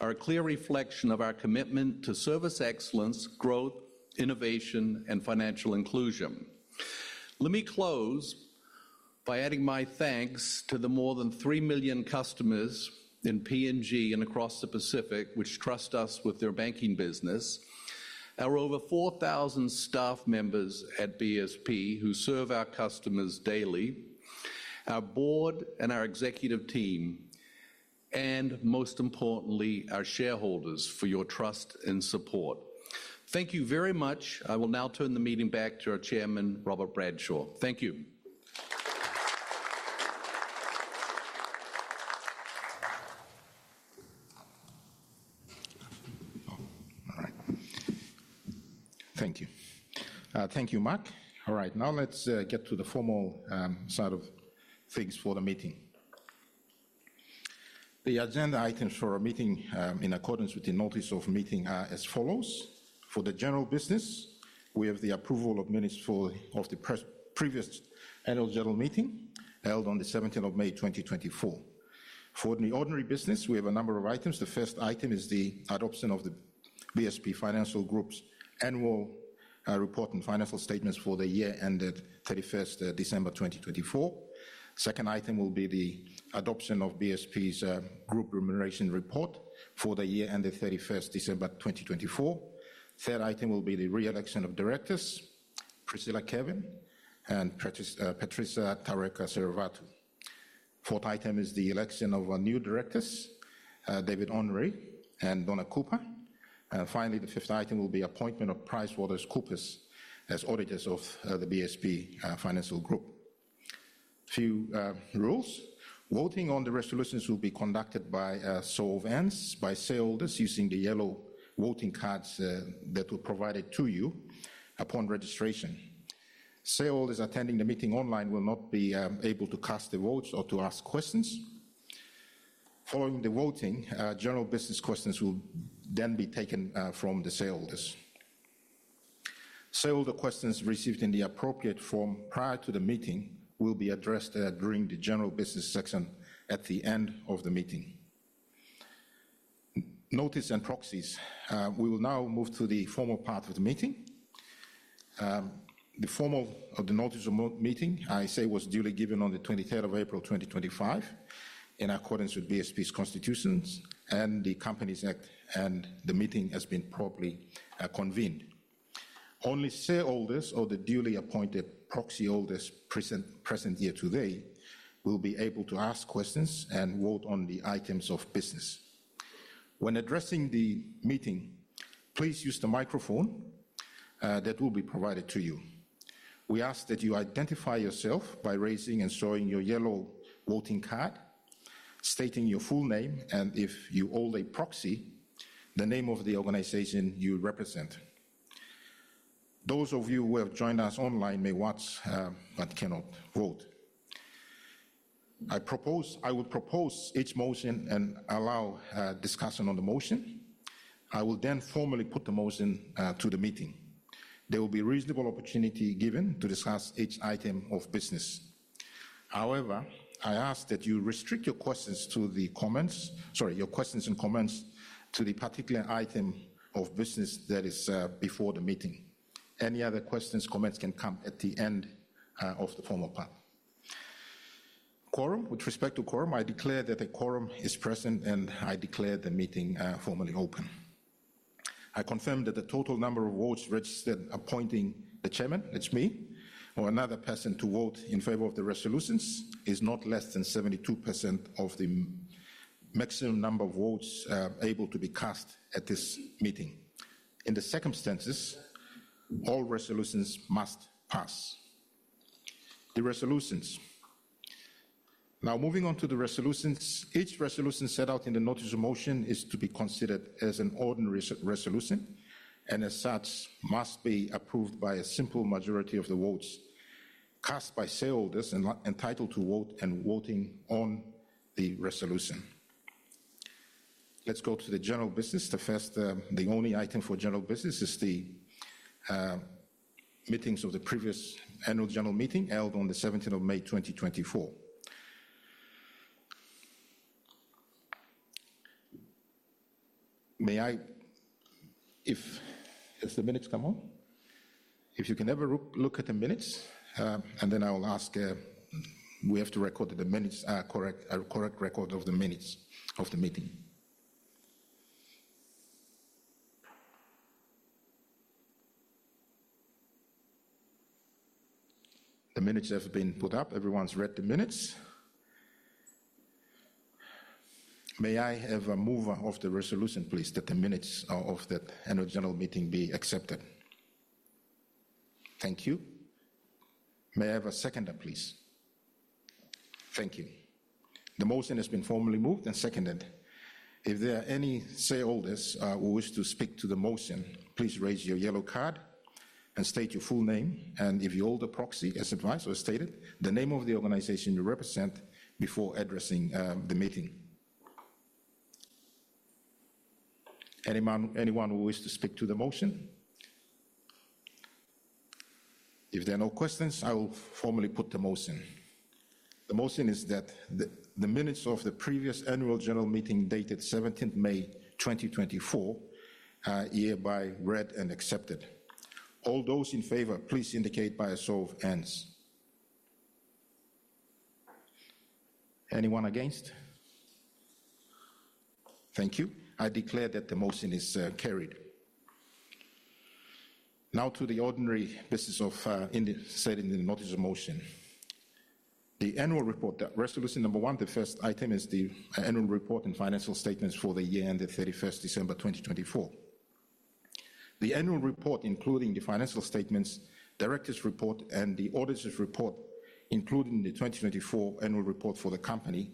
are a clear reflection of our commitment to service excellence, growth, innovation, and financial inclusion. Let me close by adding my thanks to the more than 3 million customers in PNG and across the Pacific, which trust us with their banking business, our over 4,000 staff members at BSP who serve our customers daily, our board and our executive team, and most importantly, our shareholders for your trust and support. Thank you very much. I will now turn the meeting back to our Chairman, Robert Bradshaw. Thank you. All right. Thank you. Thank you, Mark. All right. Now let's get to the formal side of things for the meeting. The agenda items for our meeting in accordance with the notice of meeting are as follows. For the general business, we have the approval of minutes for the previous annual general meeting held on the 17th of May, 2024. For the ordinary business, we have a number of items. The first item is the adoption of the BSP Financial Group's annual report and financial statements for the year ended 31st December 2024. The second item will be the adoption of BSP's group remuneration report for the year ended 31st December 2024. The third item will be the reelection of directors, Priscilla Kevin and Patricia Tarek Serovatu. The fourth item is the election of new directors, David Honoré and Donna Cooper. Finally, the fifth item will be appointment of PricewaterhouseCoopers as auditors of the BSP Financial Group. Few rules. Voting on the resolutions will be conducted by sole events by sale orders using the yellow voting cards that were provided to you upon registration. Shareholders attending the meeting online will not be able to cast their votes or to ask questions. Following the voting, general business questions will then be taken from the shareholders. Shareholder questions received in the appropriate form prior to the meeting will be addressed during the general business section at the end of the meeting. Notice and proxies. We will now move to the formal part of the meeting. The formal notice of the meeting, I say, was duly given on the 23rd of April 2025 in accordance with BSP's constitutions and the Companies Act, and the meeting has been properly convened. Only shareholders or the duly appointed proxy holders present here today will be able to ask questions and vote on the items of business. When addressing the meeting, please use the microphone that will be provided to you. We ask that you identify yourself by raising and showing your yellow voting card, stating your full name, and if you hold a proxy, the name of the organization you represent. Those of you who have joined us online may watch but cannot vote. I would propose each motion and allow discussion on the motion. I will then formally put the motion to the meeting. There will be a reasonable opportunity given to discuss each item of business. However, I ask that you restrict your questions and comments to the particular item of business that is before the meeting. Any other questions or comments can come at the end of the formal part. Quorum. With respect to quorum, I declare that the quorum is present, and I declare the meeting formally open. I confirm that the total number of votes registered appointing the chairman, that's me, or another person to vote in favor of the resolutions is not less than 72% of the maximum number of votes able to be cast at this meeting. In the circumstances, all resolutions must pass. The resolutions. Now, moving on to the resolutions, each resolution set out in the notice of motion is to be considered as an ordinary resolution, and as such, must be approved by a simple majority of the votes cast by shareholders and entitled to vote and voting on the resolution. Let's go to the general business. The first, the only item for general business is the minutes of the previous annual general meeting held on the 17th of May, 2024. May I—if the minutes come on, if you can ever look at the minutes, and then I will ask—we have to record the minutes, a correct record of the minutes of the meeting. The minutes have been put up. Everyone's read the minutes. May I have a mover of the resolution, please, that the minutes of that annual general meeting be accepted? Thank you. May I have a seconder, please? Thank you. The motion has been formally moved and seconded. If there are any shareholders who wish to speak to the motion, please raise your yellow card and state your full name, and if you hold a proxy, as advised or stated, the name of the organization you represent before addressing the meeting. Anyone who wishes to speak to the motion? If there are no questions, I will formally put the motion. The motion is that the minutes of the previous annual general meeting dated 17th May 2024 are hereby read and accepted. All those in favor, please indicate by a show of hands. Anyone against? Thank you. I declare that the motion is carried. Now to the ordinary business as set out in the notice of motion. The annual report, resolution number one, the first item is the annual report and financial statements for the year ended 31st December 2024. The annual report, including the financial statements, directors' report, and the auditor's report, including the 2024 annual report for the company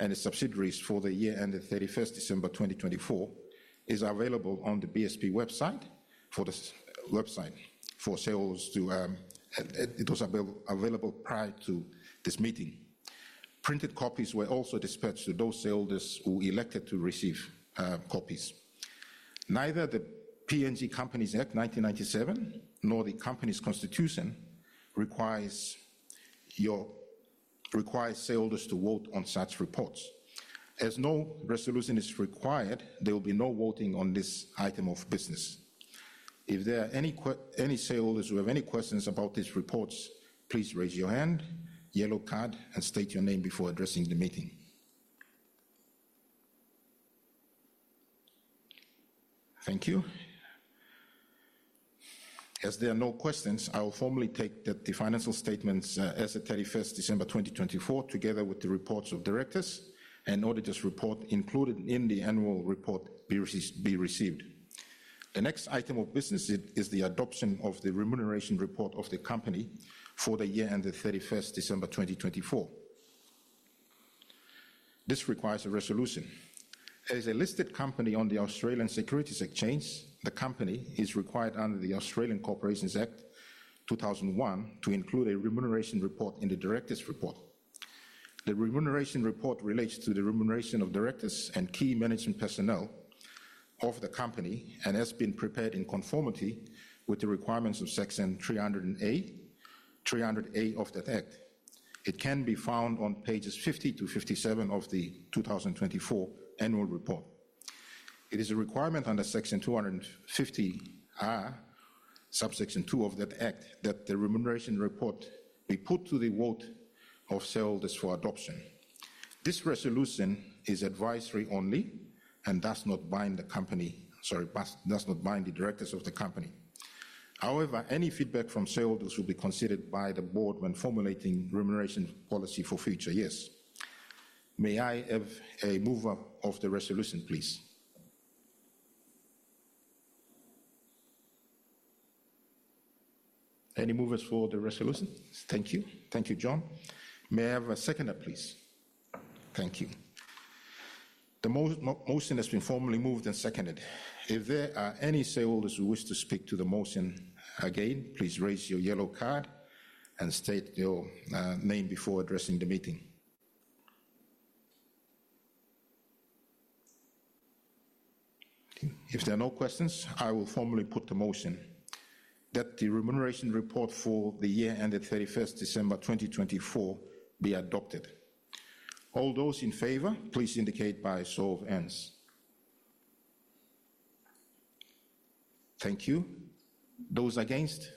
and its subsidiaries for the year ended 31st December 2024, is available on the BSP website. It was available prior to this meeting. Printed copies were also dispatched to those shareholders who elected to receive copies. Neither the PNG Companies Act 1997 nor the company's constitution requires shareholders to vote on such reports. As no resolution is required, there will be no voting on this item of business. If there are any shareholders who have any questions about these reports, please raise your hand, yellow card, and state your name before addressing the meeting. Thank you. As there are no questions, I will formally take that the financial statements as of 31st December 2024, together with the reports of directors and auditor's report included in the annual report, be received. The next item of business is the adoption of the remuneration report of the company for the year ended 31st December 2024. This requires a resolution. As a listed company on the Australian Securities Exchange, the company is required under the Australian Corporations Act 2001 to include a remuneration report in the directors' report. The remuneration report relates to the remuneration of directors and key management personnel of the company and has been prepared in conformity with the requirements of Section 300A, 300A of that act. It can be found on pages 50 to 57 of the 2024 annual report. It is a requirement under Section 250A, subsection 2 of that act that the remuneration report be put to the vote of shareholders for adoption. This resolution is advisory only and does not bind the company, sorry, does not bind the directors of the company. However, any feedback from shareholders will be considered by the board when formulating remuneration policy for future years. May I have a mover of the resolution, please? Any movers for the resolution? Thank you. Thank you, John. May I have a seconder, please? Thank you. The motion has been formally moved and seconded. If there are any sale orders who wish to speak to the motion again, please raise your yellow card and state your name before addressing the meeting. If there are no questions, I will formally put the motion that the remuneration report for the year ended 31st December 2024 be adopted. All those in favor, please indicate by show of hands. Thank you. Those against?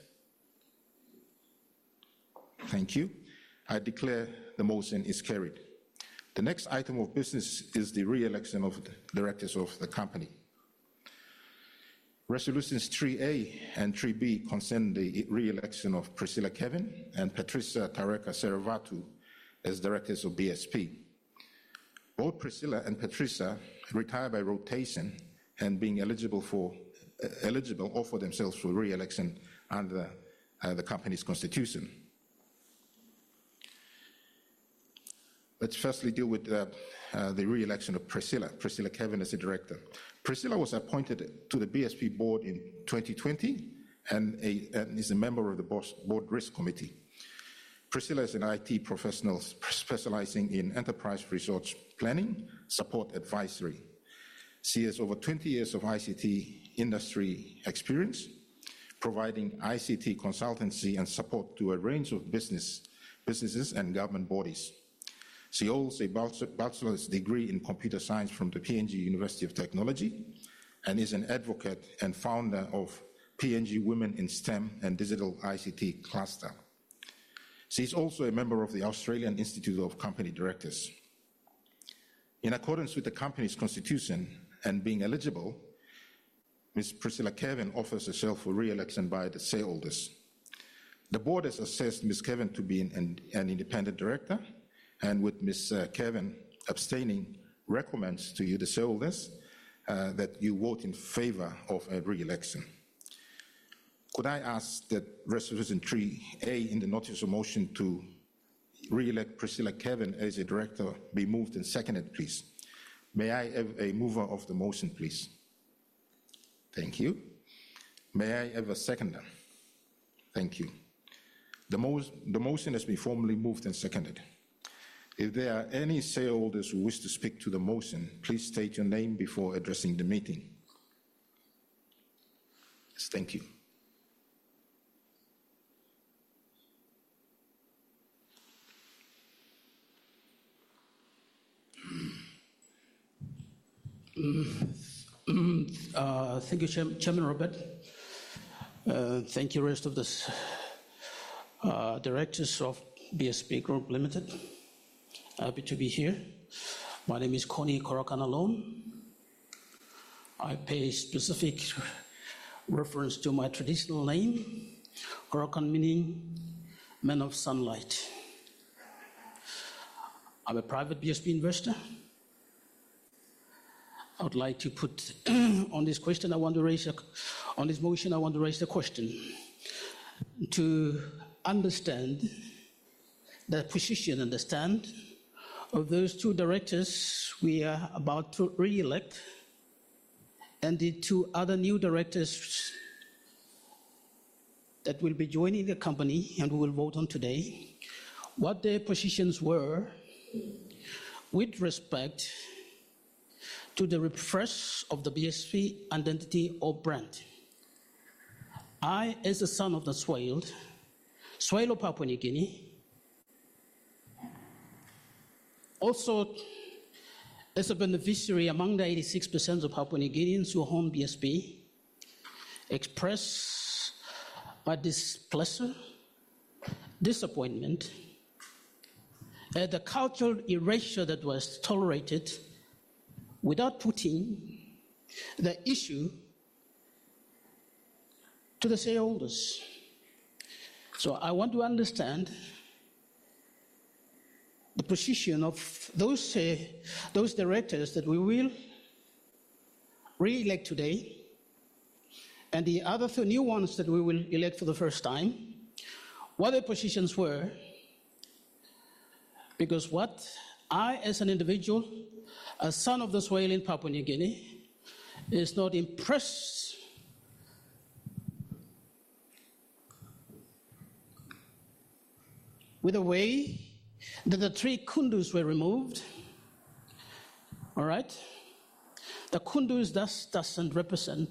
Thank you. I declare the motion is carried. The next item of business is the reelection of directors of the company. Resolutions 3A and 3B concern the reelection of Priscilla Kevin and Patricia Tarek Serovatu as directors of BSP. Both Priscilla and Patricia retired by rotation and being eligible offer themselves for reelection under the company's constitution. Let's firstly deal with the reelection of Priscilla, Priscilla Kevin as a director. Priscilla was appointed to the BSP board in 2020 and is a member of the Board Risk Committee. Priscilla is an IT professional specializing in enterprise resource planning, support advisory. She has over 20 years of ICT industry experience providing ICT consultancy and support to a range of businesses and government bodies. She holds a bachelor's degree in computer science from the PNG University of Technology and is an advocate and founder of PNG Women in STEM and Digital ICT Cluster. She's also a member of the Australian Institute of Company Directors. In accordance with the company's constitution and being eligible, Ms. Priscilla Kevin offers herself for reelection by the shareholders. The board has assessed Ms. Kevin to be an independent director, and with Ms. Kevin abstaining, recommends to the shareholders that you vote in favor of her reelection. Could I ask that resolution 3A in the notice of motion to reelect Priscilla Kevin as a director be moved and seconded, please? May I have a mover of the motion, please? Thank you. May I have a seconder? Thank you. The motion has been formally moved and seconded. If there are any shareholders who wish to speak to the motion, please state your name before addressing the meeting. Thank you. Thank you, Chairman Robinson. Thank you, rest of the directors of BSP Financial Group Limited. Happy to be here. My name is Connie Korokan Alon. I pay specific reference to my traditional name, Korokan, meaning man of sunlight. I'm a private BSP investor. I would like to put on this question. I want to raise on this motion, I want to raise the question. To understand the position and the stand of those two directors we are about to reelect and the two other new directors that will be joining the company and we will vote on today, what their positions were with respect to the repress of the BSP identity or brand. I, as a son of the soil, soil of Papua New Guinea, also as a beneficiary among the 86% of Papua New Guineans who own BSP, express my displeasure, disappointment at the cultural erasure that was tolerated without putting the issue to the shareholders. I want to understand the position of those directors that we will reelect today and the other new ones that we will elect for the first time, what their positions were, because what I, as an individual, a son of the Swail in Papua New Guinea, is not impressed with the way that the three kundus were removed, all right? The kundus does not represent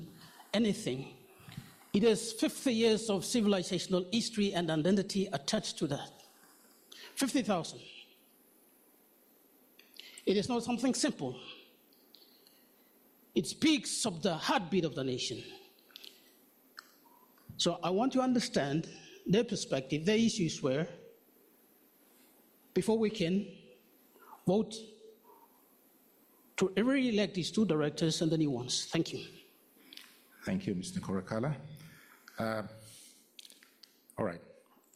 anything. It is 50 years of civilizational history and identity attached to that. 50,000. It is not something simple. It speaks of the heartbeat of the nation. I want to understand their perspective, their issues were before we can vote to reelect these two directors and the new ones. Thank you. Thank you, Mr. Korokan Alon. All right.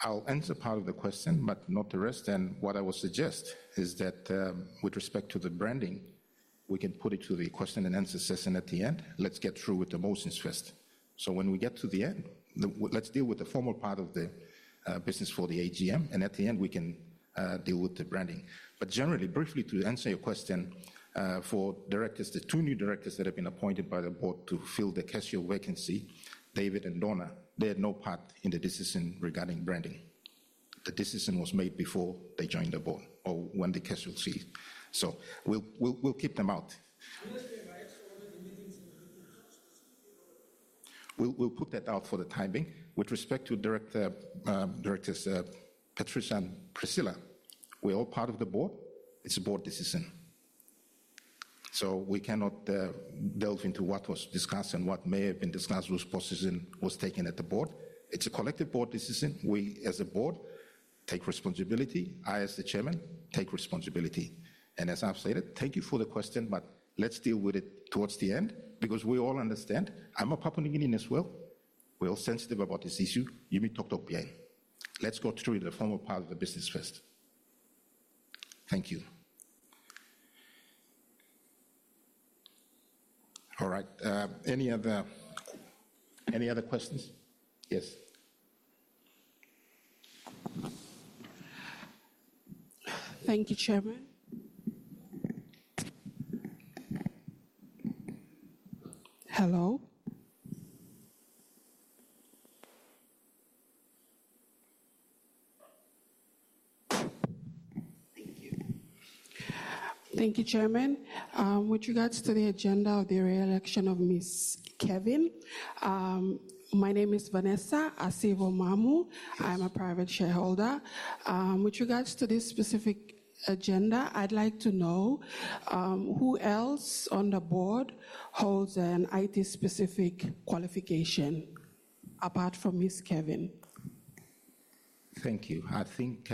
I'll answer part of the question, but not the rest. What I will suggest is that with respect to the branding, we can put it to the question-and-answer session at the end. Let's get through with the motions first. When we get to the end, let's deal with the formal part of the business for the AGM, and at the end, we can deal with the branding. Generally, briefly, to answer your question, for directors, the two new directors that have been appointed by the board to fill the casual vacancy, David and Donna, they had no part in the decision regarding branding. The decision was made before they joined the board or when the casual seat. We will keep them out. We will put that out for the timing. With respect to directors Patricia and Priscilla, we are all part of the board. It is a board decision. We cannot delve into what was discussed and what may have been discussed, whose position was taken at the board. It is a collective board decision. We, as a board, take responsibility. I, as the Chairman, take responsibility. As I have stated, thank you for the question, but let's deal with it towards the end because we all understand. I am a Papua New Guinean as well. We are all sensitive about this issue. You may talk to OPN. Let's go through the formal part of the business first. Thank you. All right. Any other questions? Yes. Thank you, Chairman. Thank you, Chairman. With regards to the agenda of the re-election of Ms. Kevin, my name is Vanessa Acevo-Mamu. I am a private shareholder. With regards to this specific agenda, I would like to know who else on the board holds an IT-specific qualification apart from Ms. Kevin. Thank you. I think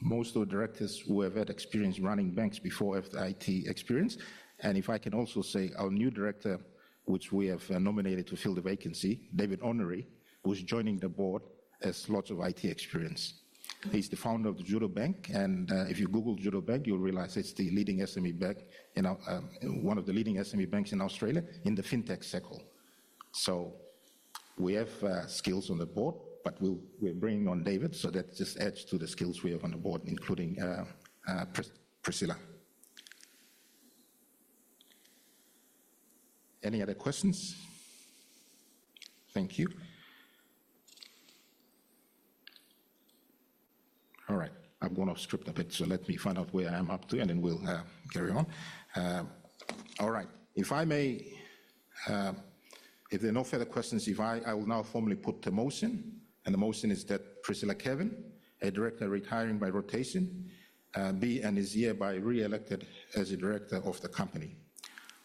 most of the directors who have had experience running banks before have IT experience. And if I can also say, our new director, which we have nominated to fill the vacancy, David Honoré, who's joining the board, has lots of IT experience. He's the founder of Judo Bank, and if you Google Judo Bank, you'll realize it's the leading SME bank, one of the leading SME banks in Australia in the fintech circle. So we have skills on the board, but we're bringing on David, so that just adds to the skills we have on the board, including Priscilla. Any other questions? Thank you. All right. I've gone off script a bit, so let me find out where I am up to, and then we'll carry on. All right. If I may, if there are no further questions, I will now formally put the motion, and the motion is that Priscilla Kevin, a director retiring by rotation, be and is hereby reelected as a director of the company.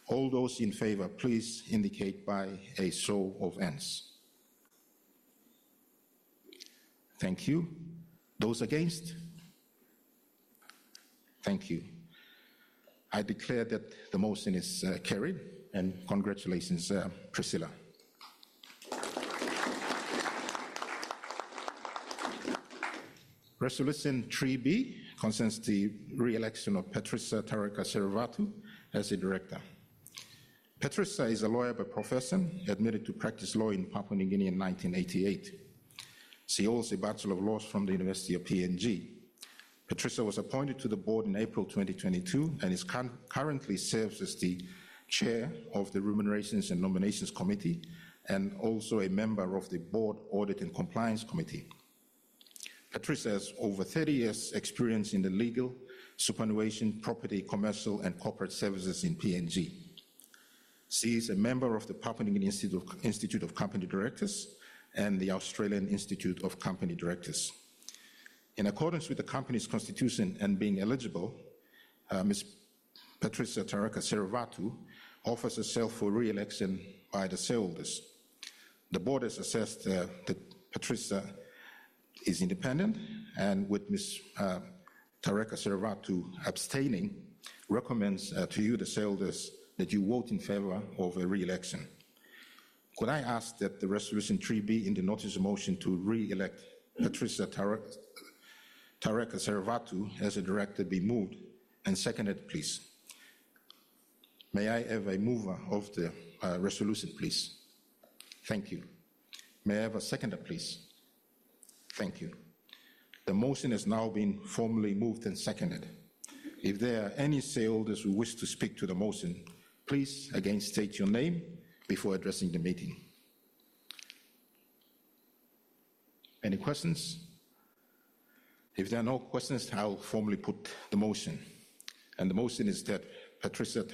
All those in favor, please indicate by a show of hands. Thank you. Those against? Thank you. I declare that the motion is carried, and congratulations, Priscilla. Resolution 3B concerns the reelection of Patricia Tarek Serovatu as a director. Patricia is a lawyer by profession, admitted to practice law in Papua New Guinea in 1988. She holds a Bachelor of Laws from the University of PNG. Patricia was appointed to the board in April 2022 and currently serves as the chair of the Remuneration and Nominations Committee and also a member of the Board Audit and Compliance Committee. Patricia has over 30 years' experience in the legal, superannuation, property, commercial, and corporate services in PNG. She is a member of the Papua New Guinea Institute of Company Directors and the Australian Institute of Company Directors. In accordance with the company's constitution and being eligible, Ms. Patricia Tarek Serovatu offers herself for reelection by the shareholders. The board has assessed that Patricia is independent, and with Ms. Tarek Serovatu abstaining, recommends to you, the shareholders, that you vote in favor of her reelection. Could I ask that the Resolution 3B in the notice of motion to reelect Patricia Tarek Serovatu as a director be moved and seconded, please? May I have a mover of the resolution, please? Thank you. May I have a seconder, please? Thank you. The motion has now been formally moved and seconded. If there are any sale orders who wish to speak to the motion, please again state your name before addressing the meeting. Any questions? If there are no questions, I'll formally put the motion. The motion is that Patricia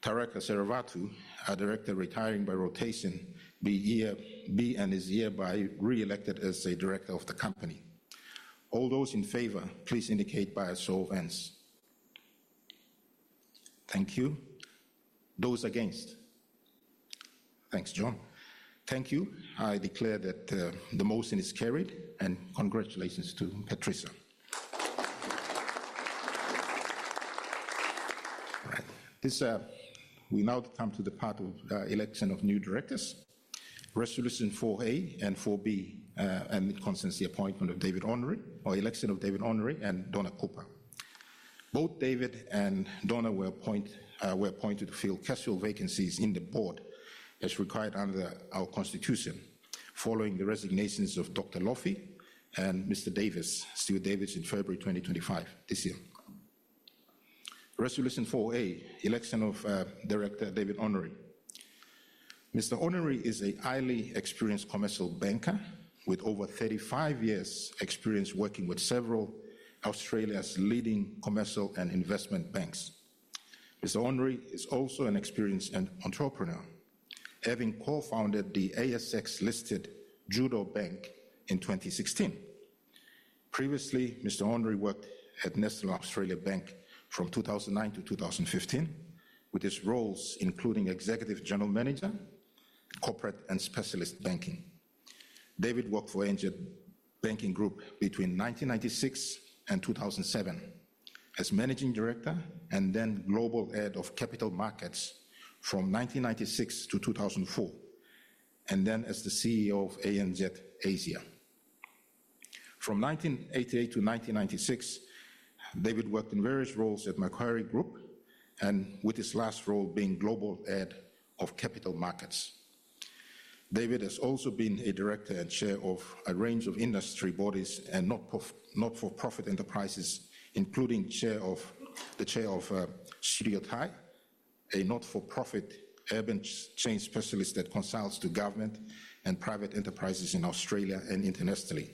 Tarek Serovatu, a director retiring by rotation, be and is hereby reelected as a director of the company. All those in favor, please indicate by a show of hands. Thank you. Those against? Thanks, John. Thank you. I declare that the motion is carried, and congratulations to Patricia. All right. We now come to the part of election of new directors. Resolution 4A and 4B amid constancy appointment of David Honoré, or election of David Honoré and Donna Cooper. Both David and Donna were appointed to fill casual vacancies in the board as required under our constitution, following the resignations of Dr. Lofi and Mr. Stewart Davis, in February 2025 this year. Resolution 4A, election of Director David Honoré. Mr. Honoré is an highly experienced commercial banker with over 35 years' experience working with several of Australia's leading commercial and investment banks. Mr. Honoré is also an experienced entrepreneur, having co-founded the ASX-listed Judo Bank in 2016. Previously, Mr. Honoré worked at National Australia Bank from 2009 to 2015, with his roles including executive general manager, corporate, and specialist banking. David worked for ANZ Banking Group between 1996 and 2007 as managing director and then global head of capital markets from 1996 to 2004, and then as the CEO of ANZ Asia. From 1988-1996, David worked in various roles at Macquarie Group, with his last role being global head of capital markets. David has also been a director and chair of a range of industry bodies and not-for-profit enterprises, including the chair of Shirleyo Thai, a not-for-profit urban change specialist that consults to government and private enterprises in Australia and internationally.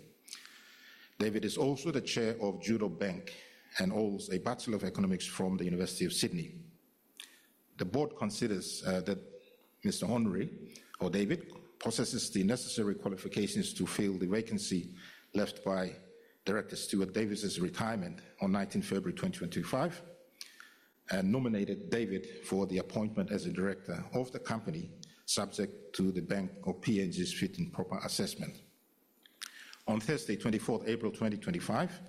David is also the chair of Judo Bank and holds a Bachelor of Economics from the University of Sydney. The board considers that Mr. Honoré, or David, possesses the necessary qualifications to fill the vacancy left by Director Stewart Davis's retirement on 19 February 2025 and nominated David for the appointment as a director of the company subject to the Bank of Papua New Guinea's fit and proper assessment. On Thursday, 24 April 2025,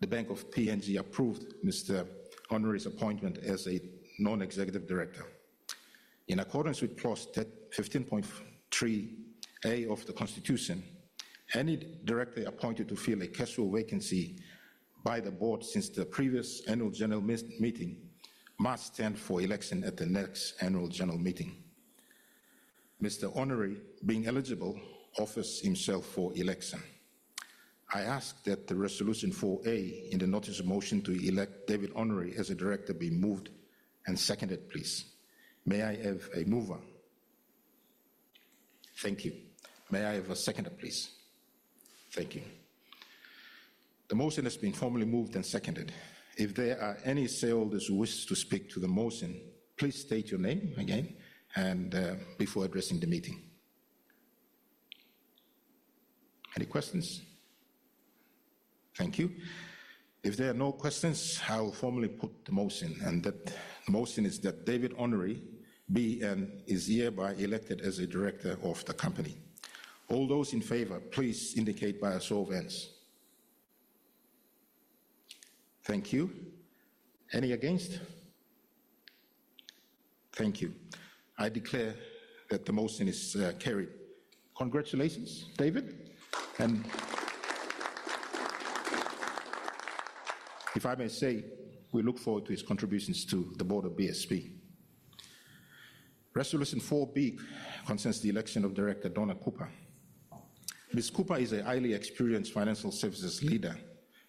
the Bank of Papua New Guinea approved Mr. Honoré's appointment as a non-executive director. In accordance with clause 15.3A of the constitution, any director appointed to fill a casual vacancy by the board since the previous annual general meeting must stand for election at the next annual general meeting. Mr. Honoré, being eligible, offers himself for election. I ask that the Resolution 4A in the notice of motion to elect David Honoré as a director be moved and seconded, please. May I have a mover? Thank you. May I have a seconder, please? Thank you. The motion has been formally moved and seconded. If there are any shareholders who wish to speak to the motion, please state your name again before addressing the meeting. Any questions? Thank you. If there are no questions, I will formally put the motion, and that the motion is that David Honoré be and is hereby elected as a director of the company. All those in favor, please indicate by a show of hands. Thank you. Any against? Thank you. I declare that the motion is carried. Congratulations, David. If I may say, we look forward to his contributions to the board of BSP. Resolution 4B concerns the election of Director Donna Cooper. Ms. Cooper is a highly experienced financial services leader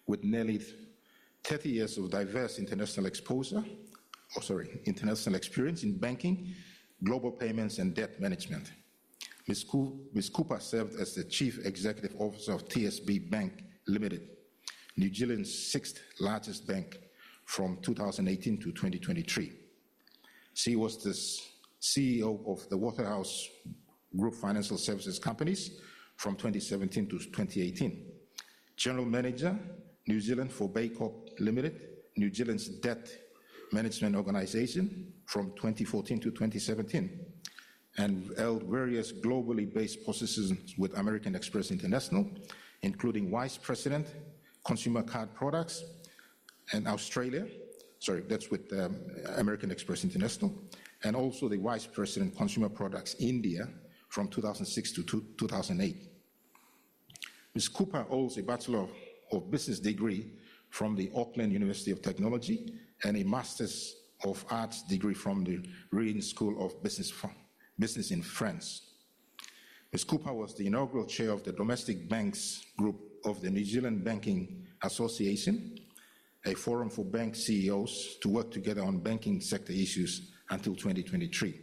with nearly 30 years of diverse international experience in banking, global payments, and debt management. Ms. Cooper served as the Chief Executive Officer of TSB Bank, New Zealand's sixth largest bank from 2018-2023. She was the CEO of the Waterhouse Group Financial Services Companies from 2017-2018, general manager of New Zealand for Baycorp Limited, New Zealand's debt management organization from 2014 to 2017, and held various globally based positions with American Express International, including vice president, consumer card products, and Australia, sorry, that's with American Express International, and also the vice president, consumer products, India, from 2006 to 2008. Ms. Cooper holds a Bachelor of Business degree from the Auckland University of Technology and a Master's of Arts degree from the RIN School of Business in France. Ms. Cooper was the inaugural chair of the Domestic Banks Group of the New Zealand Banking Association, a forum for bank CEOs to work together on banking sector issues until 2023.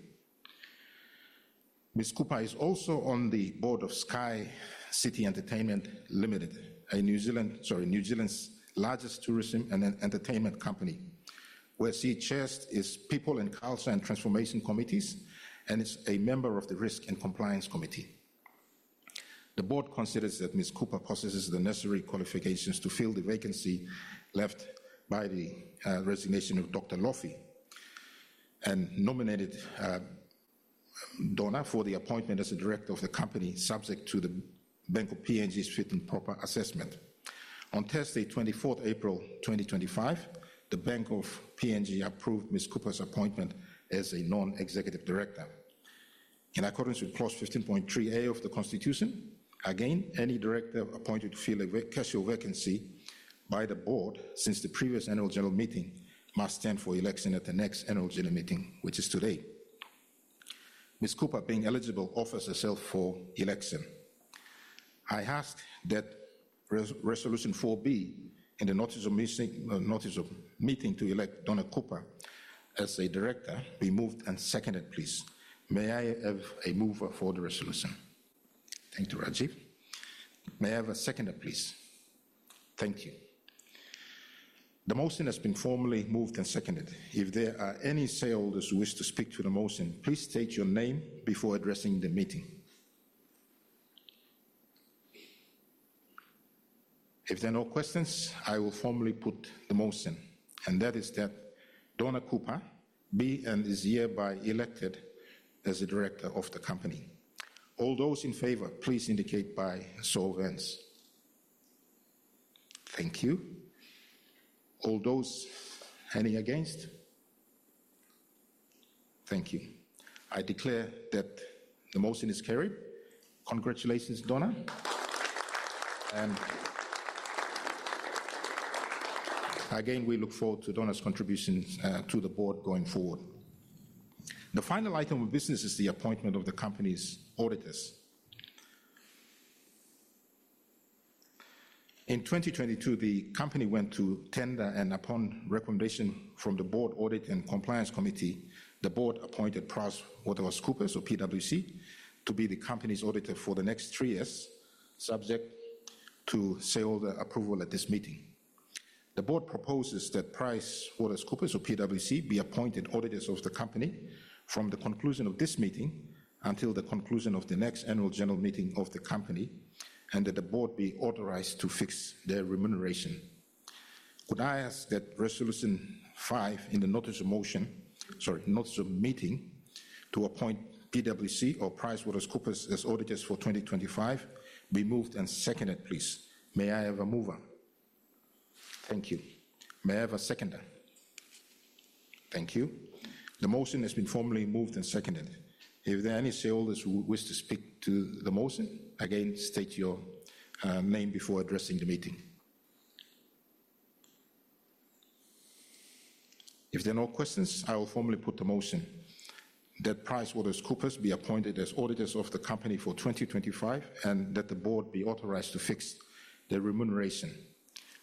Ms. Cooper is also on the board of Sky City Entertainment Limited, a New Zealand's largest tourism and entertainment company. Where she chairs is People and Culture and Transformation Committees and is a member of the Risk and Compliance Committee. The board considers that Ms. Cooper possesses the necessary qualifications to fill the vacancy left by the resignation of Dr. Lofi and nominated Donna for the appointment as a director of the company subject to the Bank of Papua New Guinea's fit and proper assessment. On Thursday, 24 April 2025, the Bank of Papua New Guinea approved Ms. Cooper's appointment as a non-executive director. In accordance with clause 15.3A of the constitution, again, any director appointed to fill a casual vacancy by the board since the previous annual general meeting must stand for election at the next annual general meeting, which is today. Ms. Cooper, being eligible, offers herself for election. I ask that Resolution 4B in the notice of meeting to elect Donna Cooper as a director be moved and seconded, please. May I have a mover for the resolution? Thank you, Rajeev. May I have a seconder, please? Thank you. The motion has been formally moved and seconded. If there are any shareholders who wish to speak to the motion, please state your name before addressing the meeting. If there are no questions, I will formally put the motion, and that is that Donna Cooper be and is hereby elected as a director of the company. All those in favor, please indicate by a show of hands. Thank you. Any against? Thank you. I declare that the motion is carried. Congratulations, Donna. We look forward to Donna's contributions to the board going forward. The final item of business is the appointment of the company's auditors. In 2022, the company went to tender and upon recommendation from the Board Audit and Compliance Committee, the board appointed PricewaterhouseCoopers, or PwC, to be the company's auditor for the next three years, subject to sale order approval at this meeting. The board proposes that PricewaterhouseCoopers, or PwC, be appointed auditors of the company from the conclusion of this meeting until the conclusion of the next annual general meeting of the company and that the board be authorized to fix their remuneration. Could I ask that Resolution 5 in the notice of motion, sorry, notice of meeting, to appoint PwC or PricewaterhouseCoopers as auditors for 2025 be moved and seconded, please? May I have a mover? Thank you. May I have a seconder? Thank you. The motion has been formally moved and seconded. If there are any shareholders who wish to speak to the motion, again, state your name before addressing the meeting. If there are no questions, I will formally put the motion that PricewaterhouseCoopers be appointed as auditors of the company for 2025 and that the board be authorized to fix their remuneration.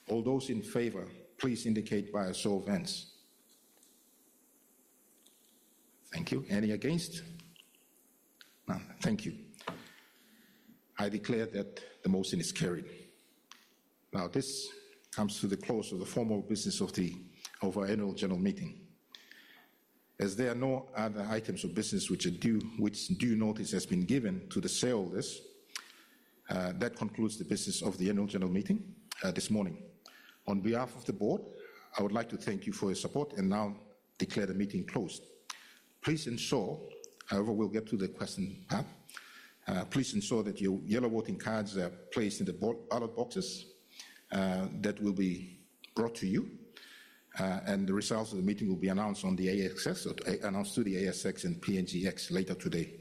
All those in favor, please indicate by a show of hands. Thank you. Any against? Thank you. I declare that the motion is carried. Now, this comes to the close of the formal business of our annual general meeting. As there are no other items of business which due notice has been given to the shareholders, that concludes the business of the annual general meeting this morning. On behalf of the board, I would like to thank you for your support and now declare the meeting closed. Please ensure, however, we'll get to the question now. Please ensure that your yellow voting cards are placed in the ballot boxes that will be brought to you, and the results of the meeting will be announced to the ASX and PNGX later today.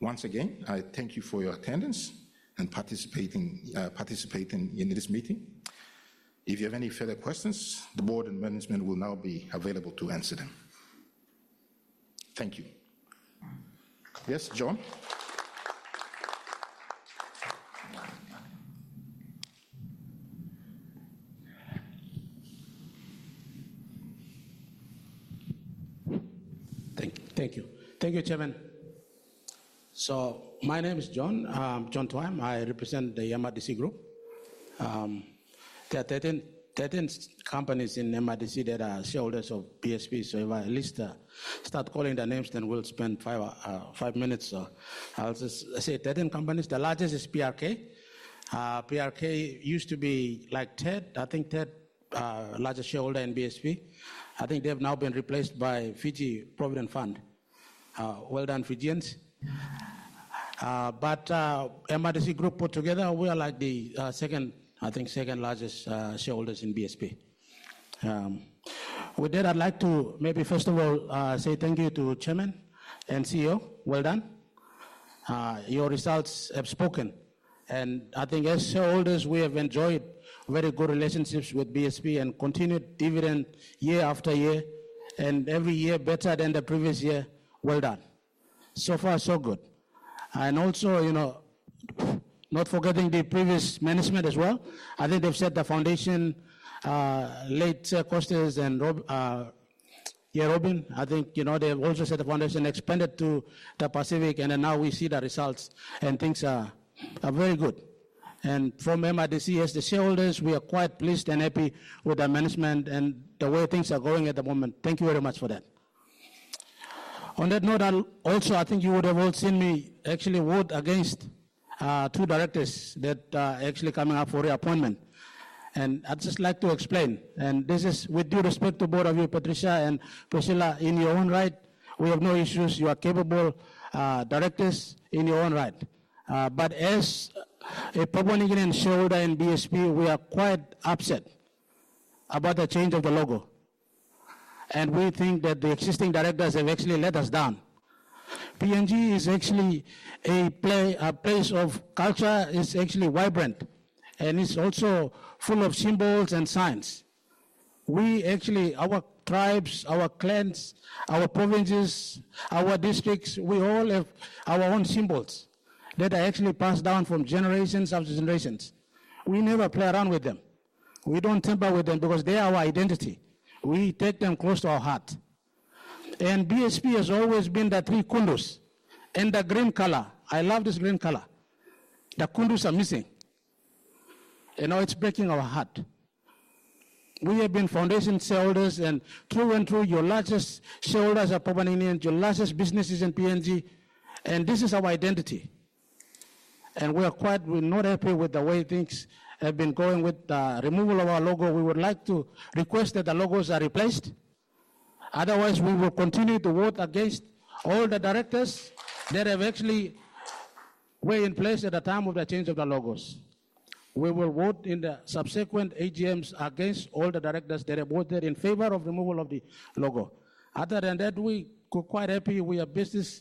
Once again, I thank you for your attendance and participating in this meeting. If you have any further questions, the board and management will now be available to answer them. Thank you. Yes, John. Thank you. Thank you, Chairman. My name is John, John Tuaim. I represent the MRDC Group. There are 13 companies in MRDC that are shareholders of BSP. If I at least start calling their names, then we'll spend five minutes. I'll just say 13 companies. The largest is PRK. PRK used to be like TED. I think TED is the largest shareholder in BSP. I think they have now been replaced by Fiji Provident Fund. Well done, Fijians. MRDC Group put together, we are like the second, I think, second largest shareholders in BSP. With that, I'd like to maybe, first of all, say thank you to Chairman and CEO. Well done. Your results have spoken. I think as shareholders, we have enjoyed very good relationships with BSP and continued dividend year after year and every year better than the previous year. Well done. So far, so good. Also, not forgetting the previous management as well. I think they've set the foundation, late Kosters and Robin. I think they've also set the foundation, expanded to the Pacific, and now we see the results and things are very good. From MRDC, as the shareholders, we are quite pleased and happy with the management and the way things are going at the moment. Thank you very much for that. On that note, I think you would have all seen me actually vote against two directors that are actually coming up for reappointment. I would just like to explain, and this is with due respect to both of you, Patricia and Priscilla, in your own right, we have no issues. You are capable directors in your own right. As a proponent and shareholder in BSP, we are quite upset about the change of the logo. We think that the existing directors have actually let us down. Papua New Guinea is actually a place of culture. It is actually vibrant and it is also full of symbols and signs. We actually, our tribes, our clans, our provinces, our districts, we all have our own symbols that are actually passed down from generation after generation. We never play around with them. We do not tamper with them because they are our identity. We take them close to our heart. BSP has always been the three kundus and the green color. I love this green color. The kundus are missing. You know, it is breaking our heart. We have been foundation shareholders and through and through, your largest shareholders are proven Indians, your largest businesses in PNG, and this is our identity. We are quite, we are not happy with the way things have been going with the removal of our logo. We would like to request that the logos are replaced. Otherwise, we will continue to vote against all the directors that have actually been in place at the time of the change of the logos. We will vote in the subsequent AGMs against all the directors that have voted in favor of the removal of the logo. Other than that, we are quite happy. We have business.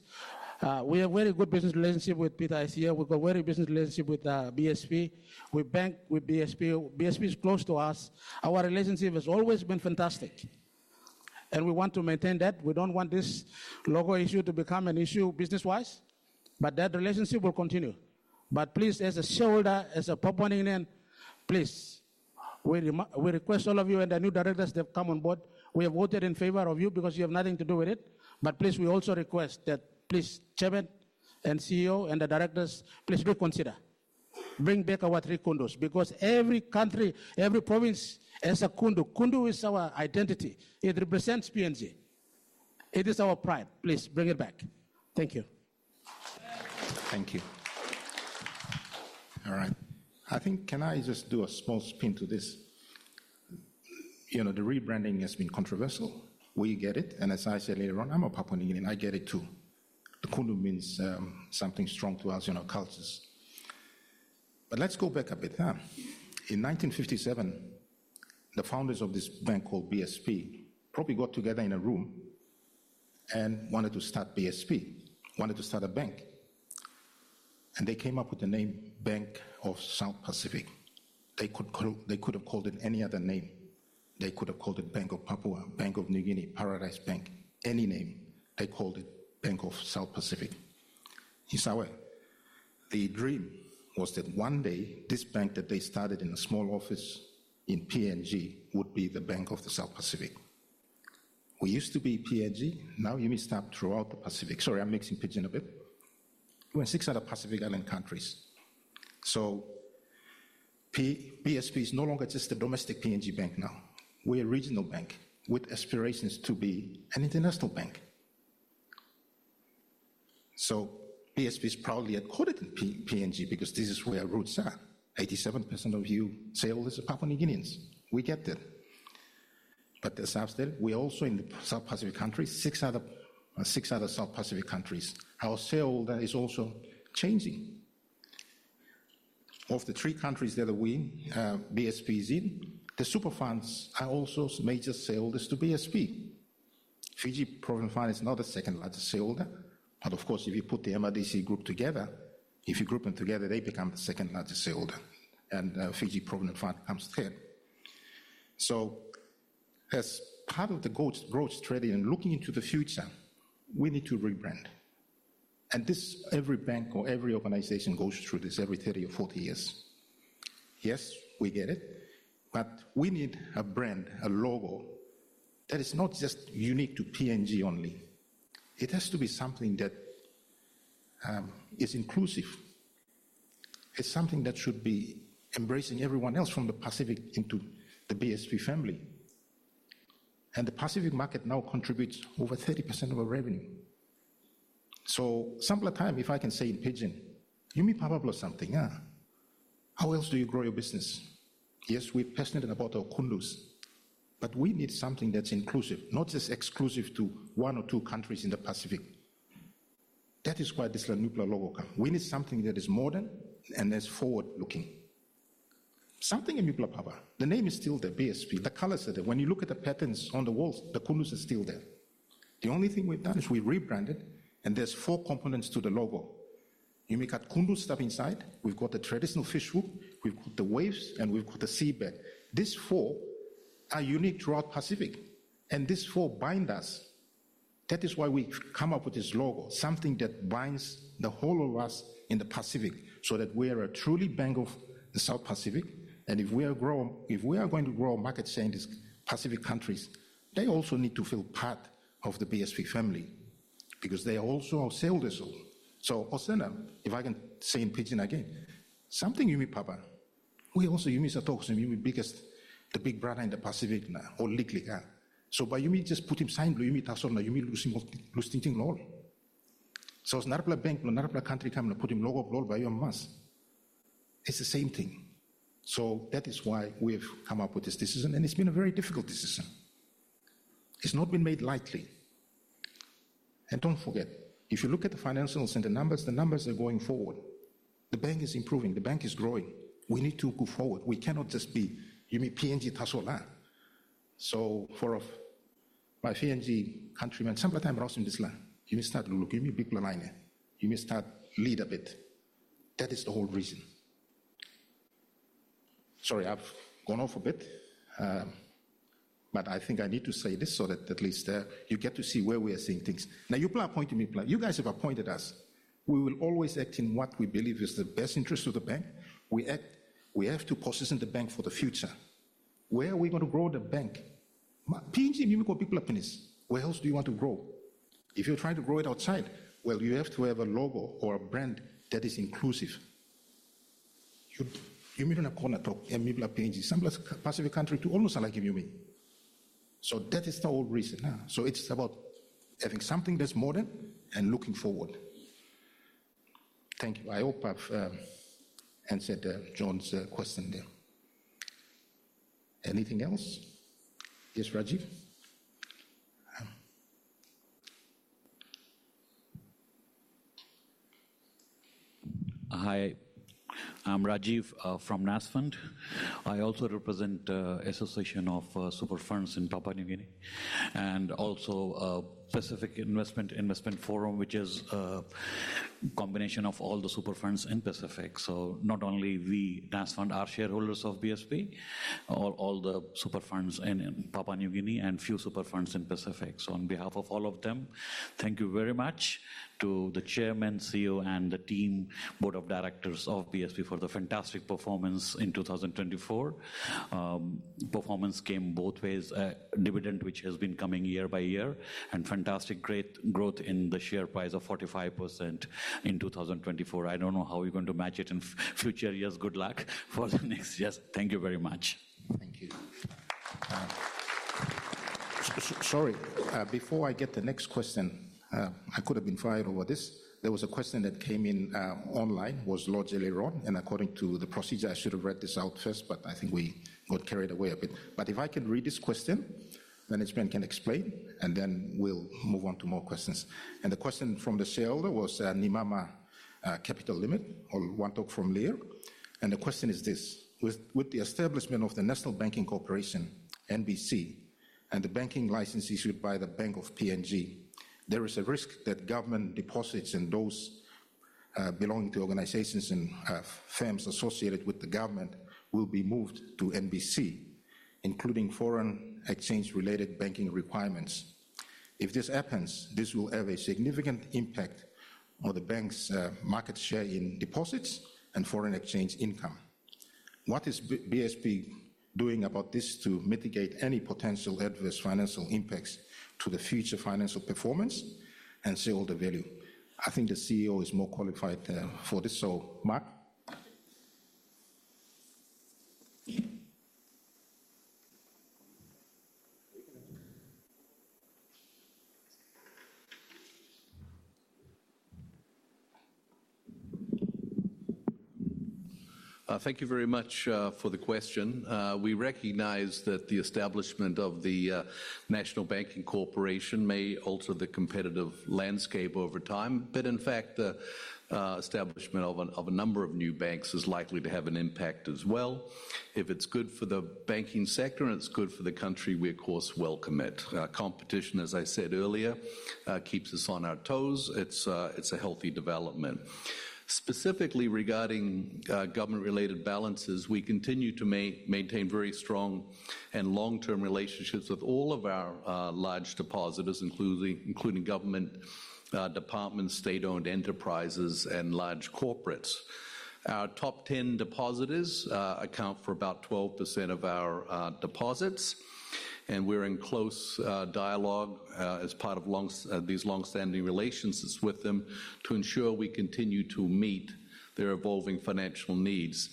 We have very good business relationship with Peter ICA. We've got very good business relationship with BSP. We bank with BSP. BSP is close to us. Our relationship has always been fantastic. We want to maintain that. We do not want this logo issue to become an issue business-wise, that relationship will continue. Please, as a shareholder, as a proponent, we request all of you and the new directors to come on board. We have voted in favor of you because you have nothing to do with it. But please, we also request that, please, Chairman and CEO and the directors, please reconsider. Bring back our three kundus because every country, every province has a kundu. Kundu is our identity. It represents PNG. It is our pride. Please bring it back. Thank you. Thank you. All right. I think, can I just do a small spin to this? You know, the rebranding has been controversial. We get it. As I said later on, I'm a proponent and I get it too. The kundu means something strong to us in our cultures. Let's go back a bit now. In 1957, the founders of this bank called BSP probably got together in a room and wanted to start BSP, wanted to start a bank. They came up with the name Bank of South Pacific. They could have called it any other name. They could have called it Bank of Papua, Bank of New Guinea, Paradise Bank, any name. They called it Bank of South Pacific. In some way, the dream was that one day this bank that they started in a small office in PNG would be the Bank of the South Pacific. We used to be PNG. Now you may start throughout the Pacific. Sorry, I'm mixing pigeon a bit. We're six other Pacific island countries. So BSP is no longer just a domestic PNG bank now. We're a regional bank with aspirations to be an international bank. So BSP is proudly accorded in PNG because this is where our roots are. 87% of you sale is a proper New Guineans. We get that. But as I've said, we're also in the South Pacific country, six other South Pacific countries. Our sale is also changing. Of the three countries that are we, BSP is in. The super funds are also major sale to BSP. Fiji Provident Fund is not the second largest sale there. If you put the MRDC Group together, if you group them together, they become the second largest sale there. Fiji Provident Fund comes third. As part of the growth strategy and looking into the future, we need to rebrand. Every bank or every organization goes through this every 30 or 40 years. Yes, we get it. We need a brand, a logo that is not just unique to PNG only. It has to be something that is inclusive. It is something that should be embracing everyone else from the Pacific into the BSP family. The Pacific market now contributes over 30% of our revenue. Some of the time, if I can say in Pidgin, you may pop up something. How else do you grow your business? Yes, we're passionate about our kundus, but we need something that's inclusive, not just exclusive to one or two countries in the Pacific. That is why this new logo comes. We need something that is modern and that's forward-looking. Something in new power. The name is still BSP. The colors are there. When you look at the patterns on the walls, the kundus are still there. The only thing we've done is we rebranded and there are four components to the logo. You may cut kundu stuff inside. We've got the traditional fishhook. We've got the waves and we've got the seabed. These four are unique throughout the Pacific. These four bind us. That is why we come up with this logo, something that binds the whole of us in the Pacific so that we are a truly bank of the South Pacific. If we are going to grow market share in these Pacific countries, they also need to feel part of the BSP family because they are also our sale as well. Osuna, if I can say in Pidgin again, something you may pop up. We also, you may start talking to you may be the big brother in the Pacific now or Liqliqa. By you may just put him sign, you may touch on that, you may lose tinting law. It is not a blood bank, not a blood country coming to put him logo by you and us. It is the same thing. That is why we have come up with this decision. It has been a very difficult decision. It has not been made lightly. Do not forget, if you look at the financials and the numbers, the numbers are going forward. The bank is improving. The bank is growing. We need to go forward. We cannot just be, you may PNG touch on that. For my PNG countrymen, some of the time we are also in this land, you may start looking, you may be blue liner, you may start lead a bit. That is the whole reason. Sorry, I have gone off a bit, but I think I need to say this so that at least you get to see where we are seeing things. Now you apply a point to me, you guys have appointed us. We will always act in what we believe is the best interest of the bank. We act, we have to position the bank for the future. Where are we going to grow the bank? PNG, you may call people a penis. Where else do you want to grow? If you're trying to grow it outside, well, you have to have a logo or a brand that is inclusive. You may be in a corner talking and maybe a PNG, some of the Pacific countries to almost like you may. So that is the whole reason. It is about having something that's modern and looking forward. Thank you. I hope I've answered John's question there. Anything else? Yes, Rajeev. Hi, I'm Rajeev from Nasfund. I also represent the Association of Super Funds in Papua New Guinea and also Pacific Investment Forum, which is a combination of all the super funds in Pacific. Not only we, Nasfund, are shareholders of BSP, or all the super funds in Papua New Guinea and few super funds in Pacific. On behalf of all of them, thank you very much to the Chairman, CEO, and the team board of directors of BSP for the fantastic performance in 2024. Performance came both ways, a dividend which has been coming year by year and fantastic great growth in the share price of 45% in 2024. I do not know how we are going to match it in future years. Good luck for the next year. Thank you very much. Thank you. Sorry, before I get the next question, I could have been fired over this. There was a question that came in online, was largely wrong. According to the procedure, I should have read this out first, but I think we got carried away a bit. If I can read this question, management can explain, and then we'll move on to more questions. The question from the shareholder was Nimama Capital Limit, or OneTok from Lear. The question is this: with the establishment of the National Banking Corporation, NBC, and the banking licenses issued by the Bank of Papua New Guinea, there is a risk that government deposits and those belonging to organizations and firms associated with the government will be moved to NBC, including foreign exchange-related banking requirements. If this happens, this will have a significant impact on the bank's market share in deposits and foreign exchange income. What is BSP doing about this to mitigate any potential adverse financial impacts to the future financial performance and sell the value? I think the CEO is more qualified for this. Mark. Thank you very much for the question. We recognize that the establishment of the National Banking Corporation may alter the competitive landscape over time, but in fact, the establishment of a number of new banks is likely to have an impact as well. If it's good for the banking sector and it's good for the country, we, of course, welcome it. Competition, as I said earlier, keeps us on our toes. It's a healthy development. Specifically regarding government-related balances, we continue to maintain very strong and long-term relationships with all of our large depositors, including government departments, state-owned enterprises, and large corporates. Our top 10 depositors account for about 12% of our deposits, and we're in close dialogue as part of these long-standing relations with them to ensure we continue to meet their evolving financial needs.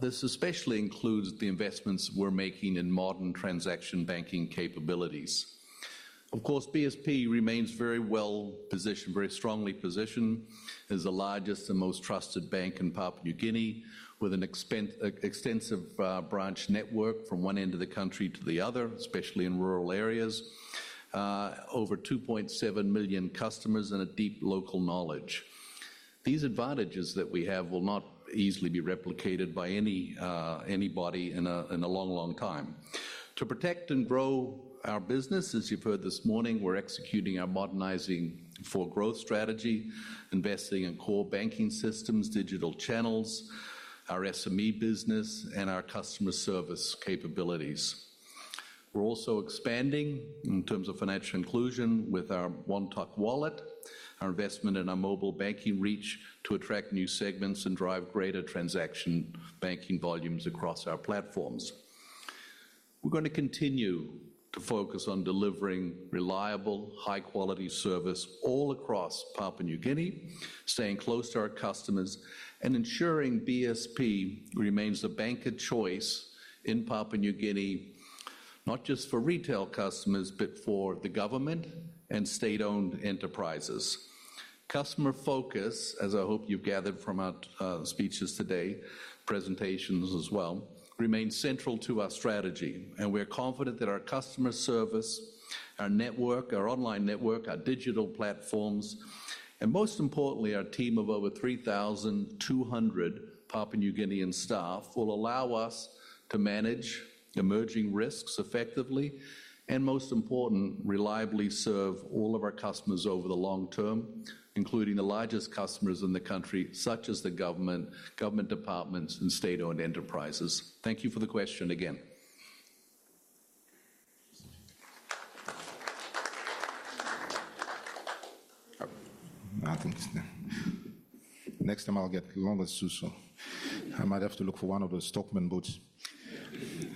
This especially includes the investments we're making in modern transaction banking capabilities. Of course, BSP remains very well positioned, very strongly positioned as the largest and most trusted bank in Papua New Guinea, with an extensive branch network from one end of the country to the other, especially in rural areas, over 2.7 million customers and a deep local knowledge. These advantages that we have will not easily be replicated by anybody in a long, long time. To protect and grow our business, as you've heard this morning, we're executing our Modernizing for Growth strategy, investing in core banking systems, digital channels, our SME business, and our customer service capabilities. We're also expanding in terms of financial inclusion with our OneTok Wallet, our investment in our mobile banking reach to attract new segments and drive greater transaction banking volumes across our platforms. We're going to continue to focus on delivering reliable, high-quality service all across Papua New Guinea, staying close to our customers, and ensuring BSP remains the bank of choice in Papua New Guinea, not just for retail customers, but for the government and state-owned enterprises. Customer focus, as I hope you've gathered from our speeches today, presentations as well, remains central to our strategy. We're confident that our customer service, our network, our online network, our digital platforms, and most importantly, our team of over 3,200 Papua New Guinean staff will allow us to manage emerging risks effectively and, most importantly, reliably serve all of our customers over the long term, including the largest customers in the country, such as the government, government departments, and state-owned enterprises. Thank you for the question again. I think it's there. Next time, I'll get longer too, so I might have to look for one of the stockman boots.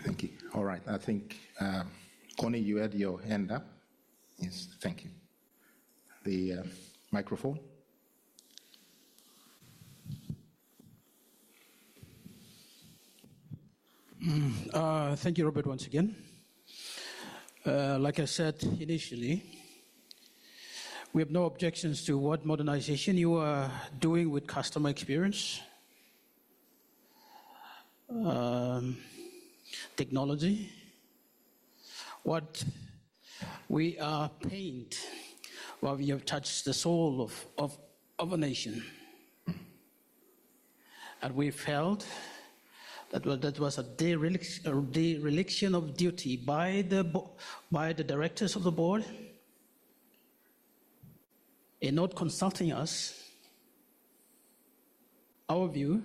Thank you. All right. I think, Connie, you had your hand up. Yes, thank you. The microphone. Thank you, Robert, once again. Like I said initially, we have no objections to what modernization you are doing with customer experience, technology. What we are pained, while we have touched the soul of a nation. And we felt that was a dereliction of duty by the directors of the board in not consulting us, our view,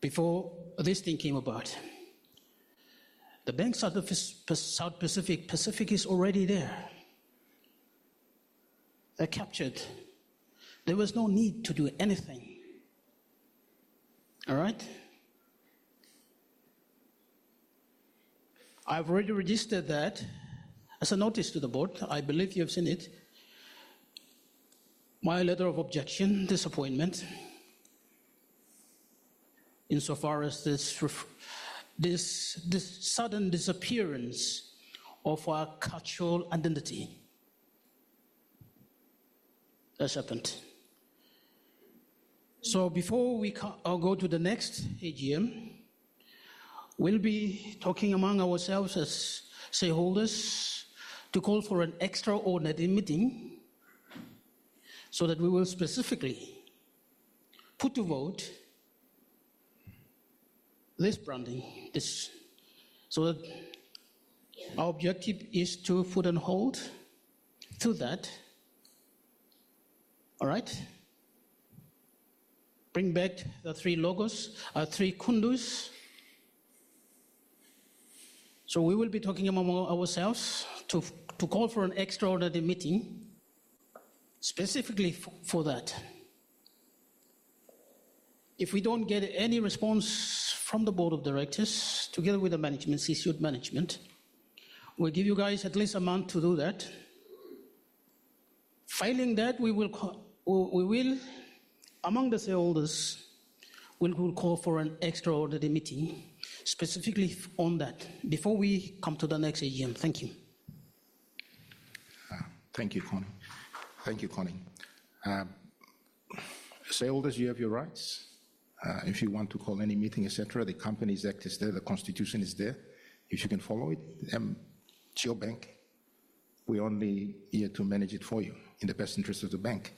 before this thing came about. The banks of the South Pacific, Pacific is already there. They're captured. There was no need to do anything. All right? I've already registered that as a notice to the board. I believe you've seen it. My letter of objection, disappointment, insofar as this sudden disappearance of our cultural identity has happened. Before we go to the next AGM, we'll be talking among ourselves as shareholders to call for an extraordinary meeting so that we will specifically put to vote this branding. Our objective is to put on hold to that. All right? Bring back the three logos, our three kundus. We will be talking among ourselves to call for an extraordinary meeting specifically for that. If we do not get any response from the board of directors together with the management, CCU management, we'll give you guys at least a month to do that. Failing that, we will, among the shareholders, call for an extraordinary meeting specifically on that before we come to the next AGM. Thank you. Thank you, Connie. Thank you, Connie. Shareholders, you have your rights. If you want to call any meeting, etc., the company's act is there, the constitution is there. If you can follow it, it's your bank. We're only here to manage it for you in the best interest of the bank.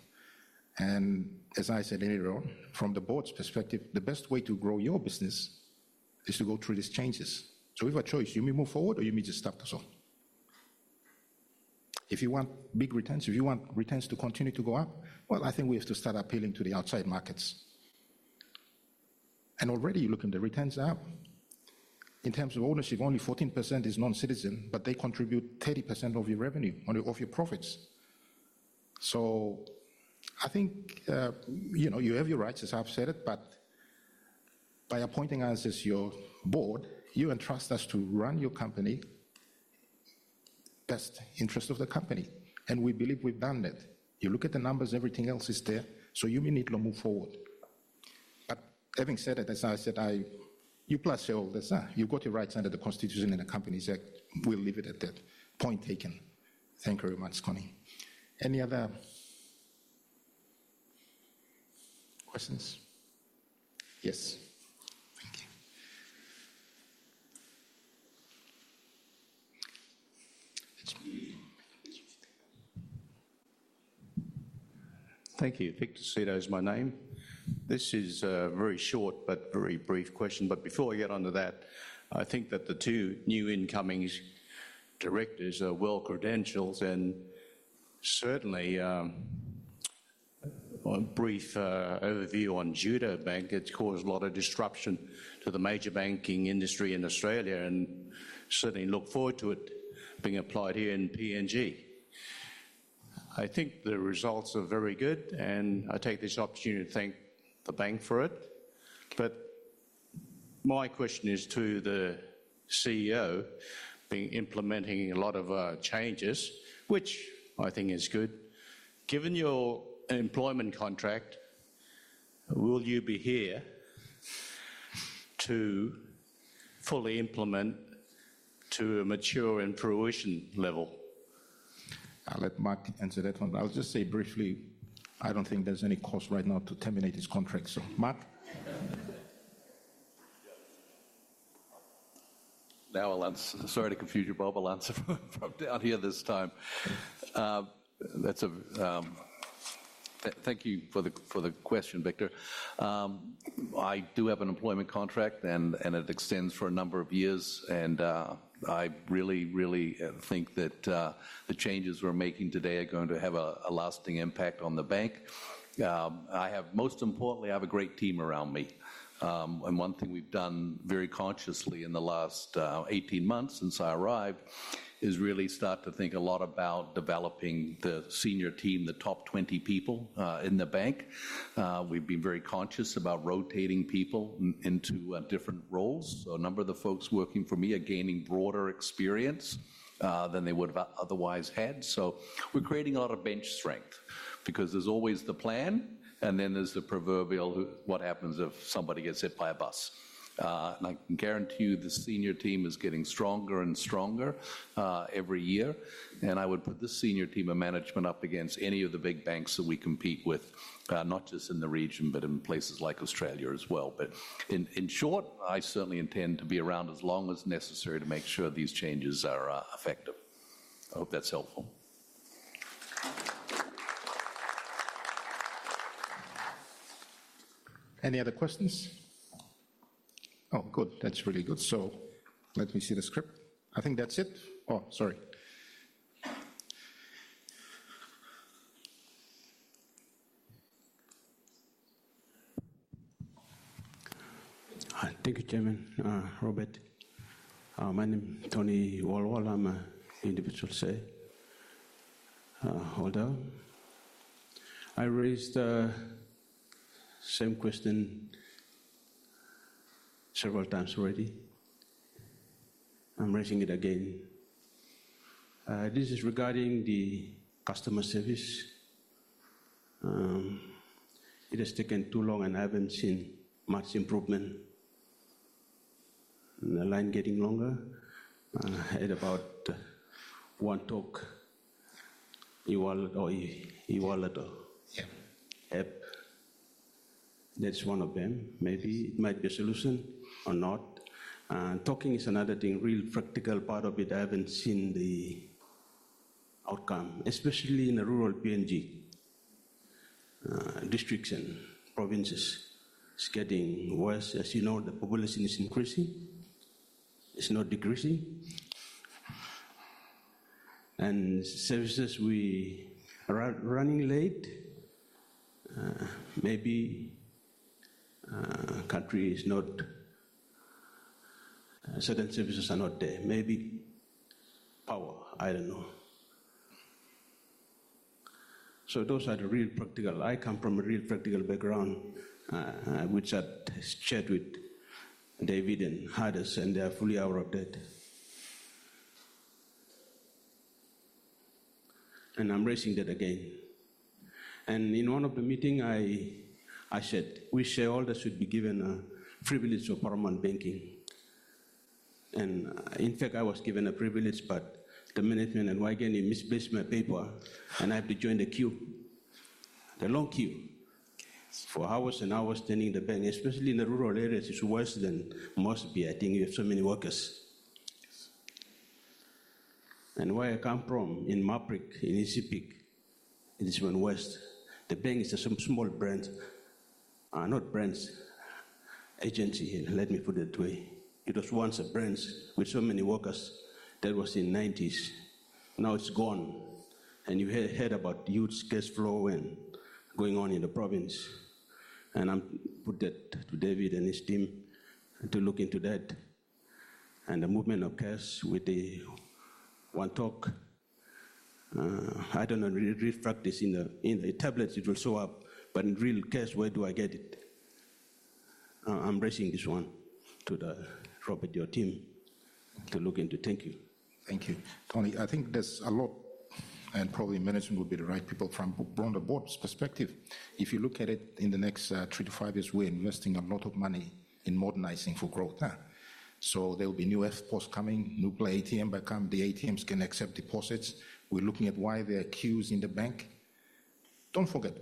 As I said earlier, from the board's perspective, the best way to grow your business is to go through these changes. We have a choice. You may move forward or you may just stop the sale. If you want big returns, if you want returns to continue to go up, I think we have to start appealing to the outside markets. Already you're looking at the returns now. In terms of ownership, only 14% is non-citizen, but they contribute 30% of your revenue, of your profits. I think you have your rights, as I've said it, but by appointing us as your board, you entrust us to run your company in the best interest of the company. We believe we've done that. You look at the numbers, everything else is there. You may need to move forward. Having said that, as I said, you plus shareholders, you have your rights under the constitution and the company's act. We will leave it at that. Point taken. Thank you very much, Connie. Any other questions? Yes. Thank you. Thank you. Victor Seda is my name. This is a very short but very brief question. Before I get on to that, I think that the two new incoming directors are well-credentialed and certainly a brief overview on Judo Bank. It has caused a lot of disruption to the major banking industry in Australia and certainly look forward to it being applied here in PNG. I think the results are very good, and I take this opportunity to thank the bank for it. But my question is to the CEO, being implementing a lot of changes, which I think is good. Given your employment contract, will you be here to fully implement to a mature and fruition level? I'll let Mark answer that one. I'll just say briefly, I don't think there's any cost right now to terminate his con tract. So, Mark? Now I'll answer. Sorry to confuse you, Bob. I'll answer from down here this time. Thank you for the question, Victor. I do have an employment contract, and it extends for a number of years. I really, really think that the changes we're making today are going to have a lasting impact on the bank. Most importantly, I have a great team around me. One thing we have done very consciously in the last 18 months since I arrived is really start to think a lot about developing the senior team, the top 20 people in the bank. We have been very conscious about rotating people into different roles. A number of the folks working for me are gaining broader experience than they would have otherwise had. We are creating a lot of bench strength because there is always the plan, and then there is the proverbial, what happens if somebody gets hit by a bus? I can guarantee you the senior team is getting stronger and stronger every year. I would put the senior team of management up against any of the big banks that we compete with, not just in the region, but in places like Australia as well. In short, I certainly intend to be around as long as necessary to make sure these changes are effective. I hope that's helpful. Any other questions? Oh, good. That's really good. Let me see the script. I think that's it. Oh, sorry. Thank you, Chairman Robert. My name is Tony Walwal. I'm an individual shareholder. I raised the same question several times already. I'm raising it again. This is regarding the customer service. It has taken too long, and I haven't seen much improvement. The line is getting longer. I had about OneTok Wallet or app. That's one of them. Maybe it might be a solution or not. Talking is another thing. Real practical part of it, I haven't seen the outcome, especially in a rural PNG district and provinces. It's getting worse. As you know, the population is increasing. It's not decreasing. Services are running late. Maybe certain services are not there. Maybe power. I don't know. Those are the real practical. I come from a real practical background, which I've shared with David and Hades, and they are fully aware of that. I'm raising that again. In one of the meetings, I said we shareholders should be given a privilege of formal banking. In fact, I was given a privilege, but the management in Waigani misplaced my paper, and I had to join the queue, the long queue for hours and hours standing in the bank, especially in the rural areas. It's worse than must be. I think you have so many workers. Where I come from, in Maprik, in East Sepik, it is even worse. The bank is a small branch, not brand agency here. Let me put it that way. It was once a brand with so many workers. That was in the 1990s. Now it's gone. You heard about huge cash flow going on in the province. I put that to David and his team to look into that. The movement of cash with the OneTok, I don't know. In real practice, in the tablets, it will show up. In real case, where do I get it? I'm raising this one to Robert, your team, to look into. Thank you. Thank you. Tony, I think there's a lot, and probably management will be the right people from the board's perspective. If you look at it in the next three to five years, we're investing a lot of money in Modernizing for Growth. There will be new FPOS coming, Nuclear ATM by come. The ATMs can accept deposits. We're looking at why they're queued in the bank. Don't forget,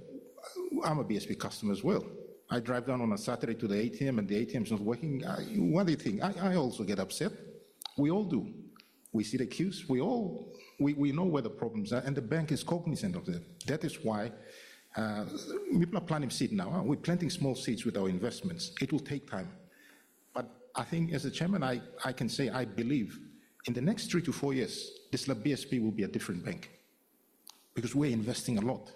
I'm a BSP customer as well. I drive down on a Saturday to the ATM, and the ATM's not working. What do you think? I also get upset. We all do. We see the queues. We know where the problems are, and the bank is cognizant of that. That is why people are planting seeds now. We're planting small seeds with our investments. It will take time. I think as a Chairman, I can say I believe in the next three to four years, this BSP will be a different bank because we're investing a lot.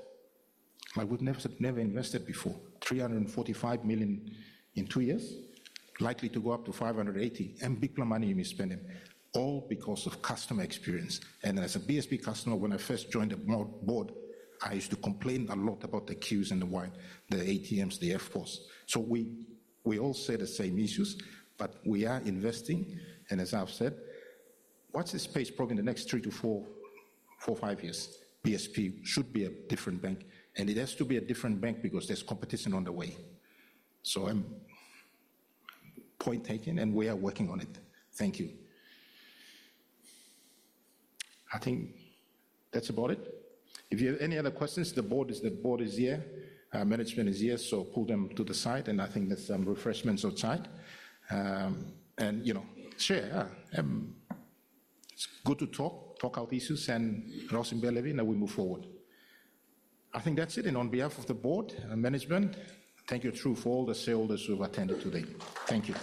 We've never invested before. PGK 345 million in two years, likely to go up to PGK 580 million, and big plum money you may spend them, all because of customer experience. As a BSP customer, when I first joined the board, I used to complain a lot about the queues and the ATMs, the FPOS. We all share the same issues, but we are investing. As I have said, once this page, probably in the next three to four, four, five years, BSP should be a different bank. It has to be a different bank because there is competition on the way. Point taken, and we are working on it. Thank you. I think that is about it. If you have any other questions, the board is here. Management is here, so pull them to the side. I think there are some refreshments outside. Share. It is good to talk, talk out issues and cross and bear levy, and we move forward. I think that is it. On behalf of the board and management, thank you to all the shareholders who have attended today. Thank you.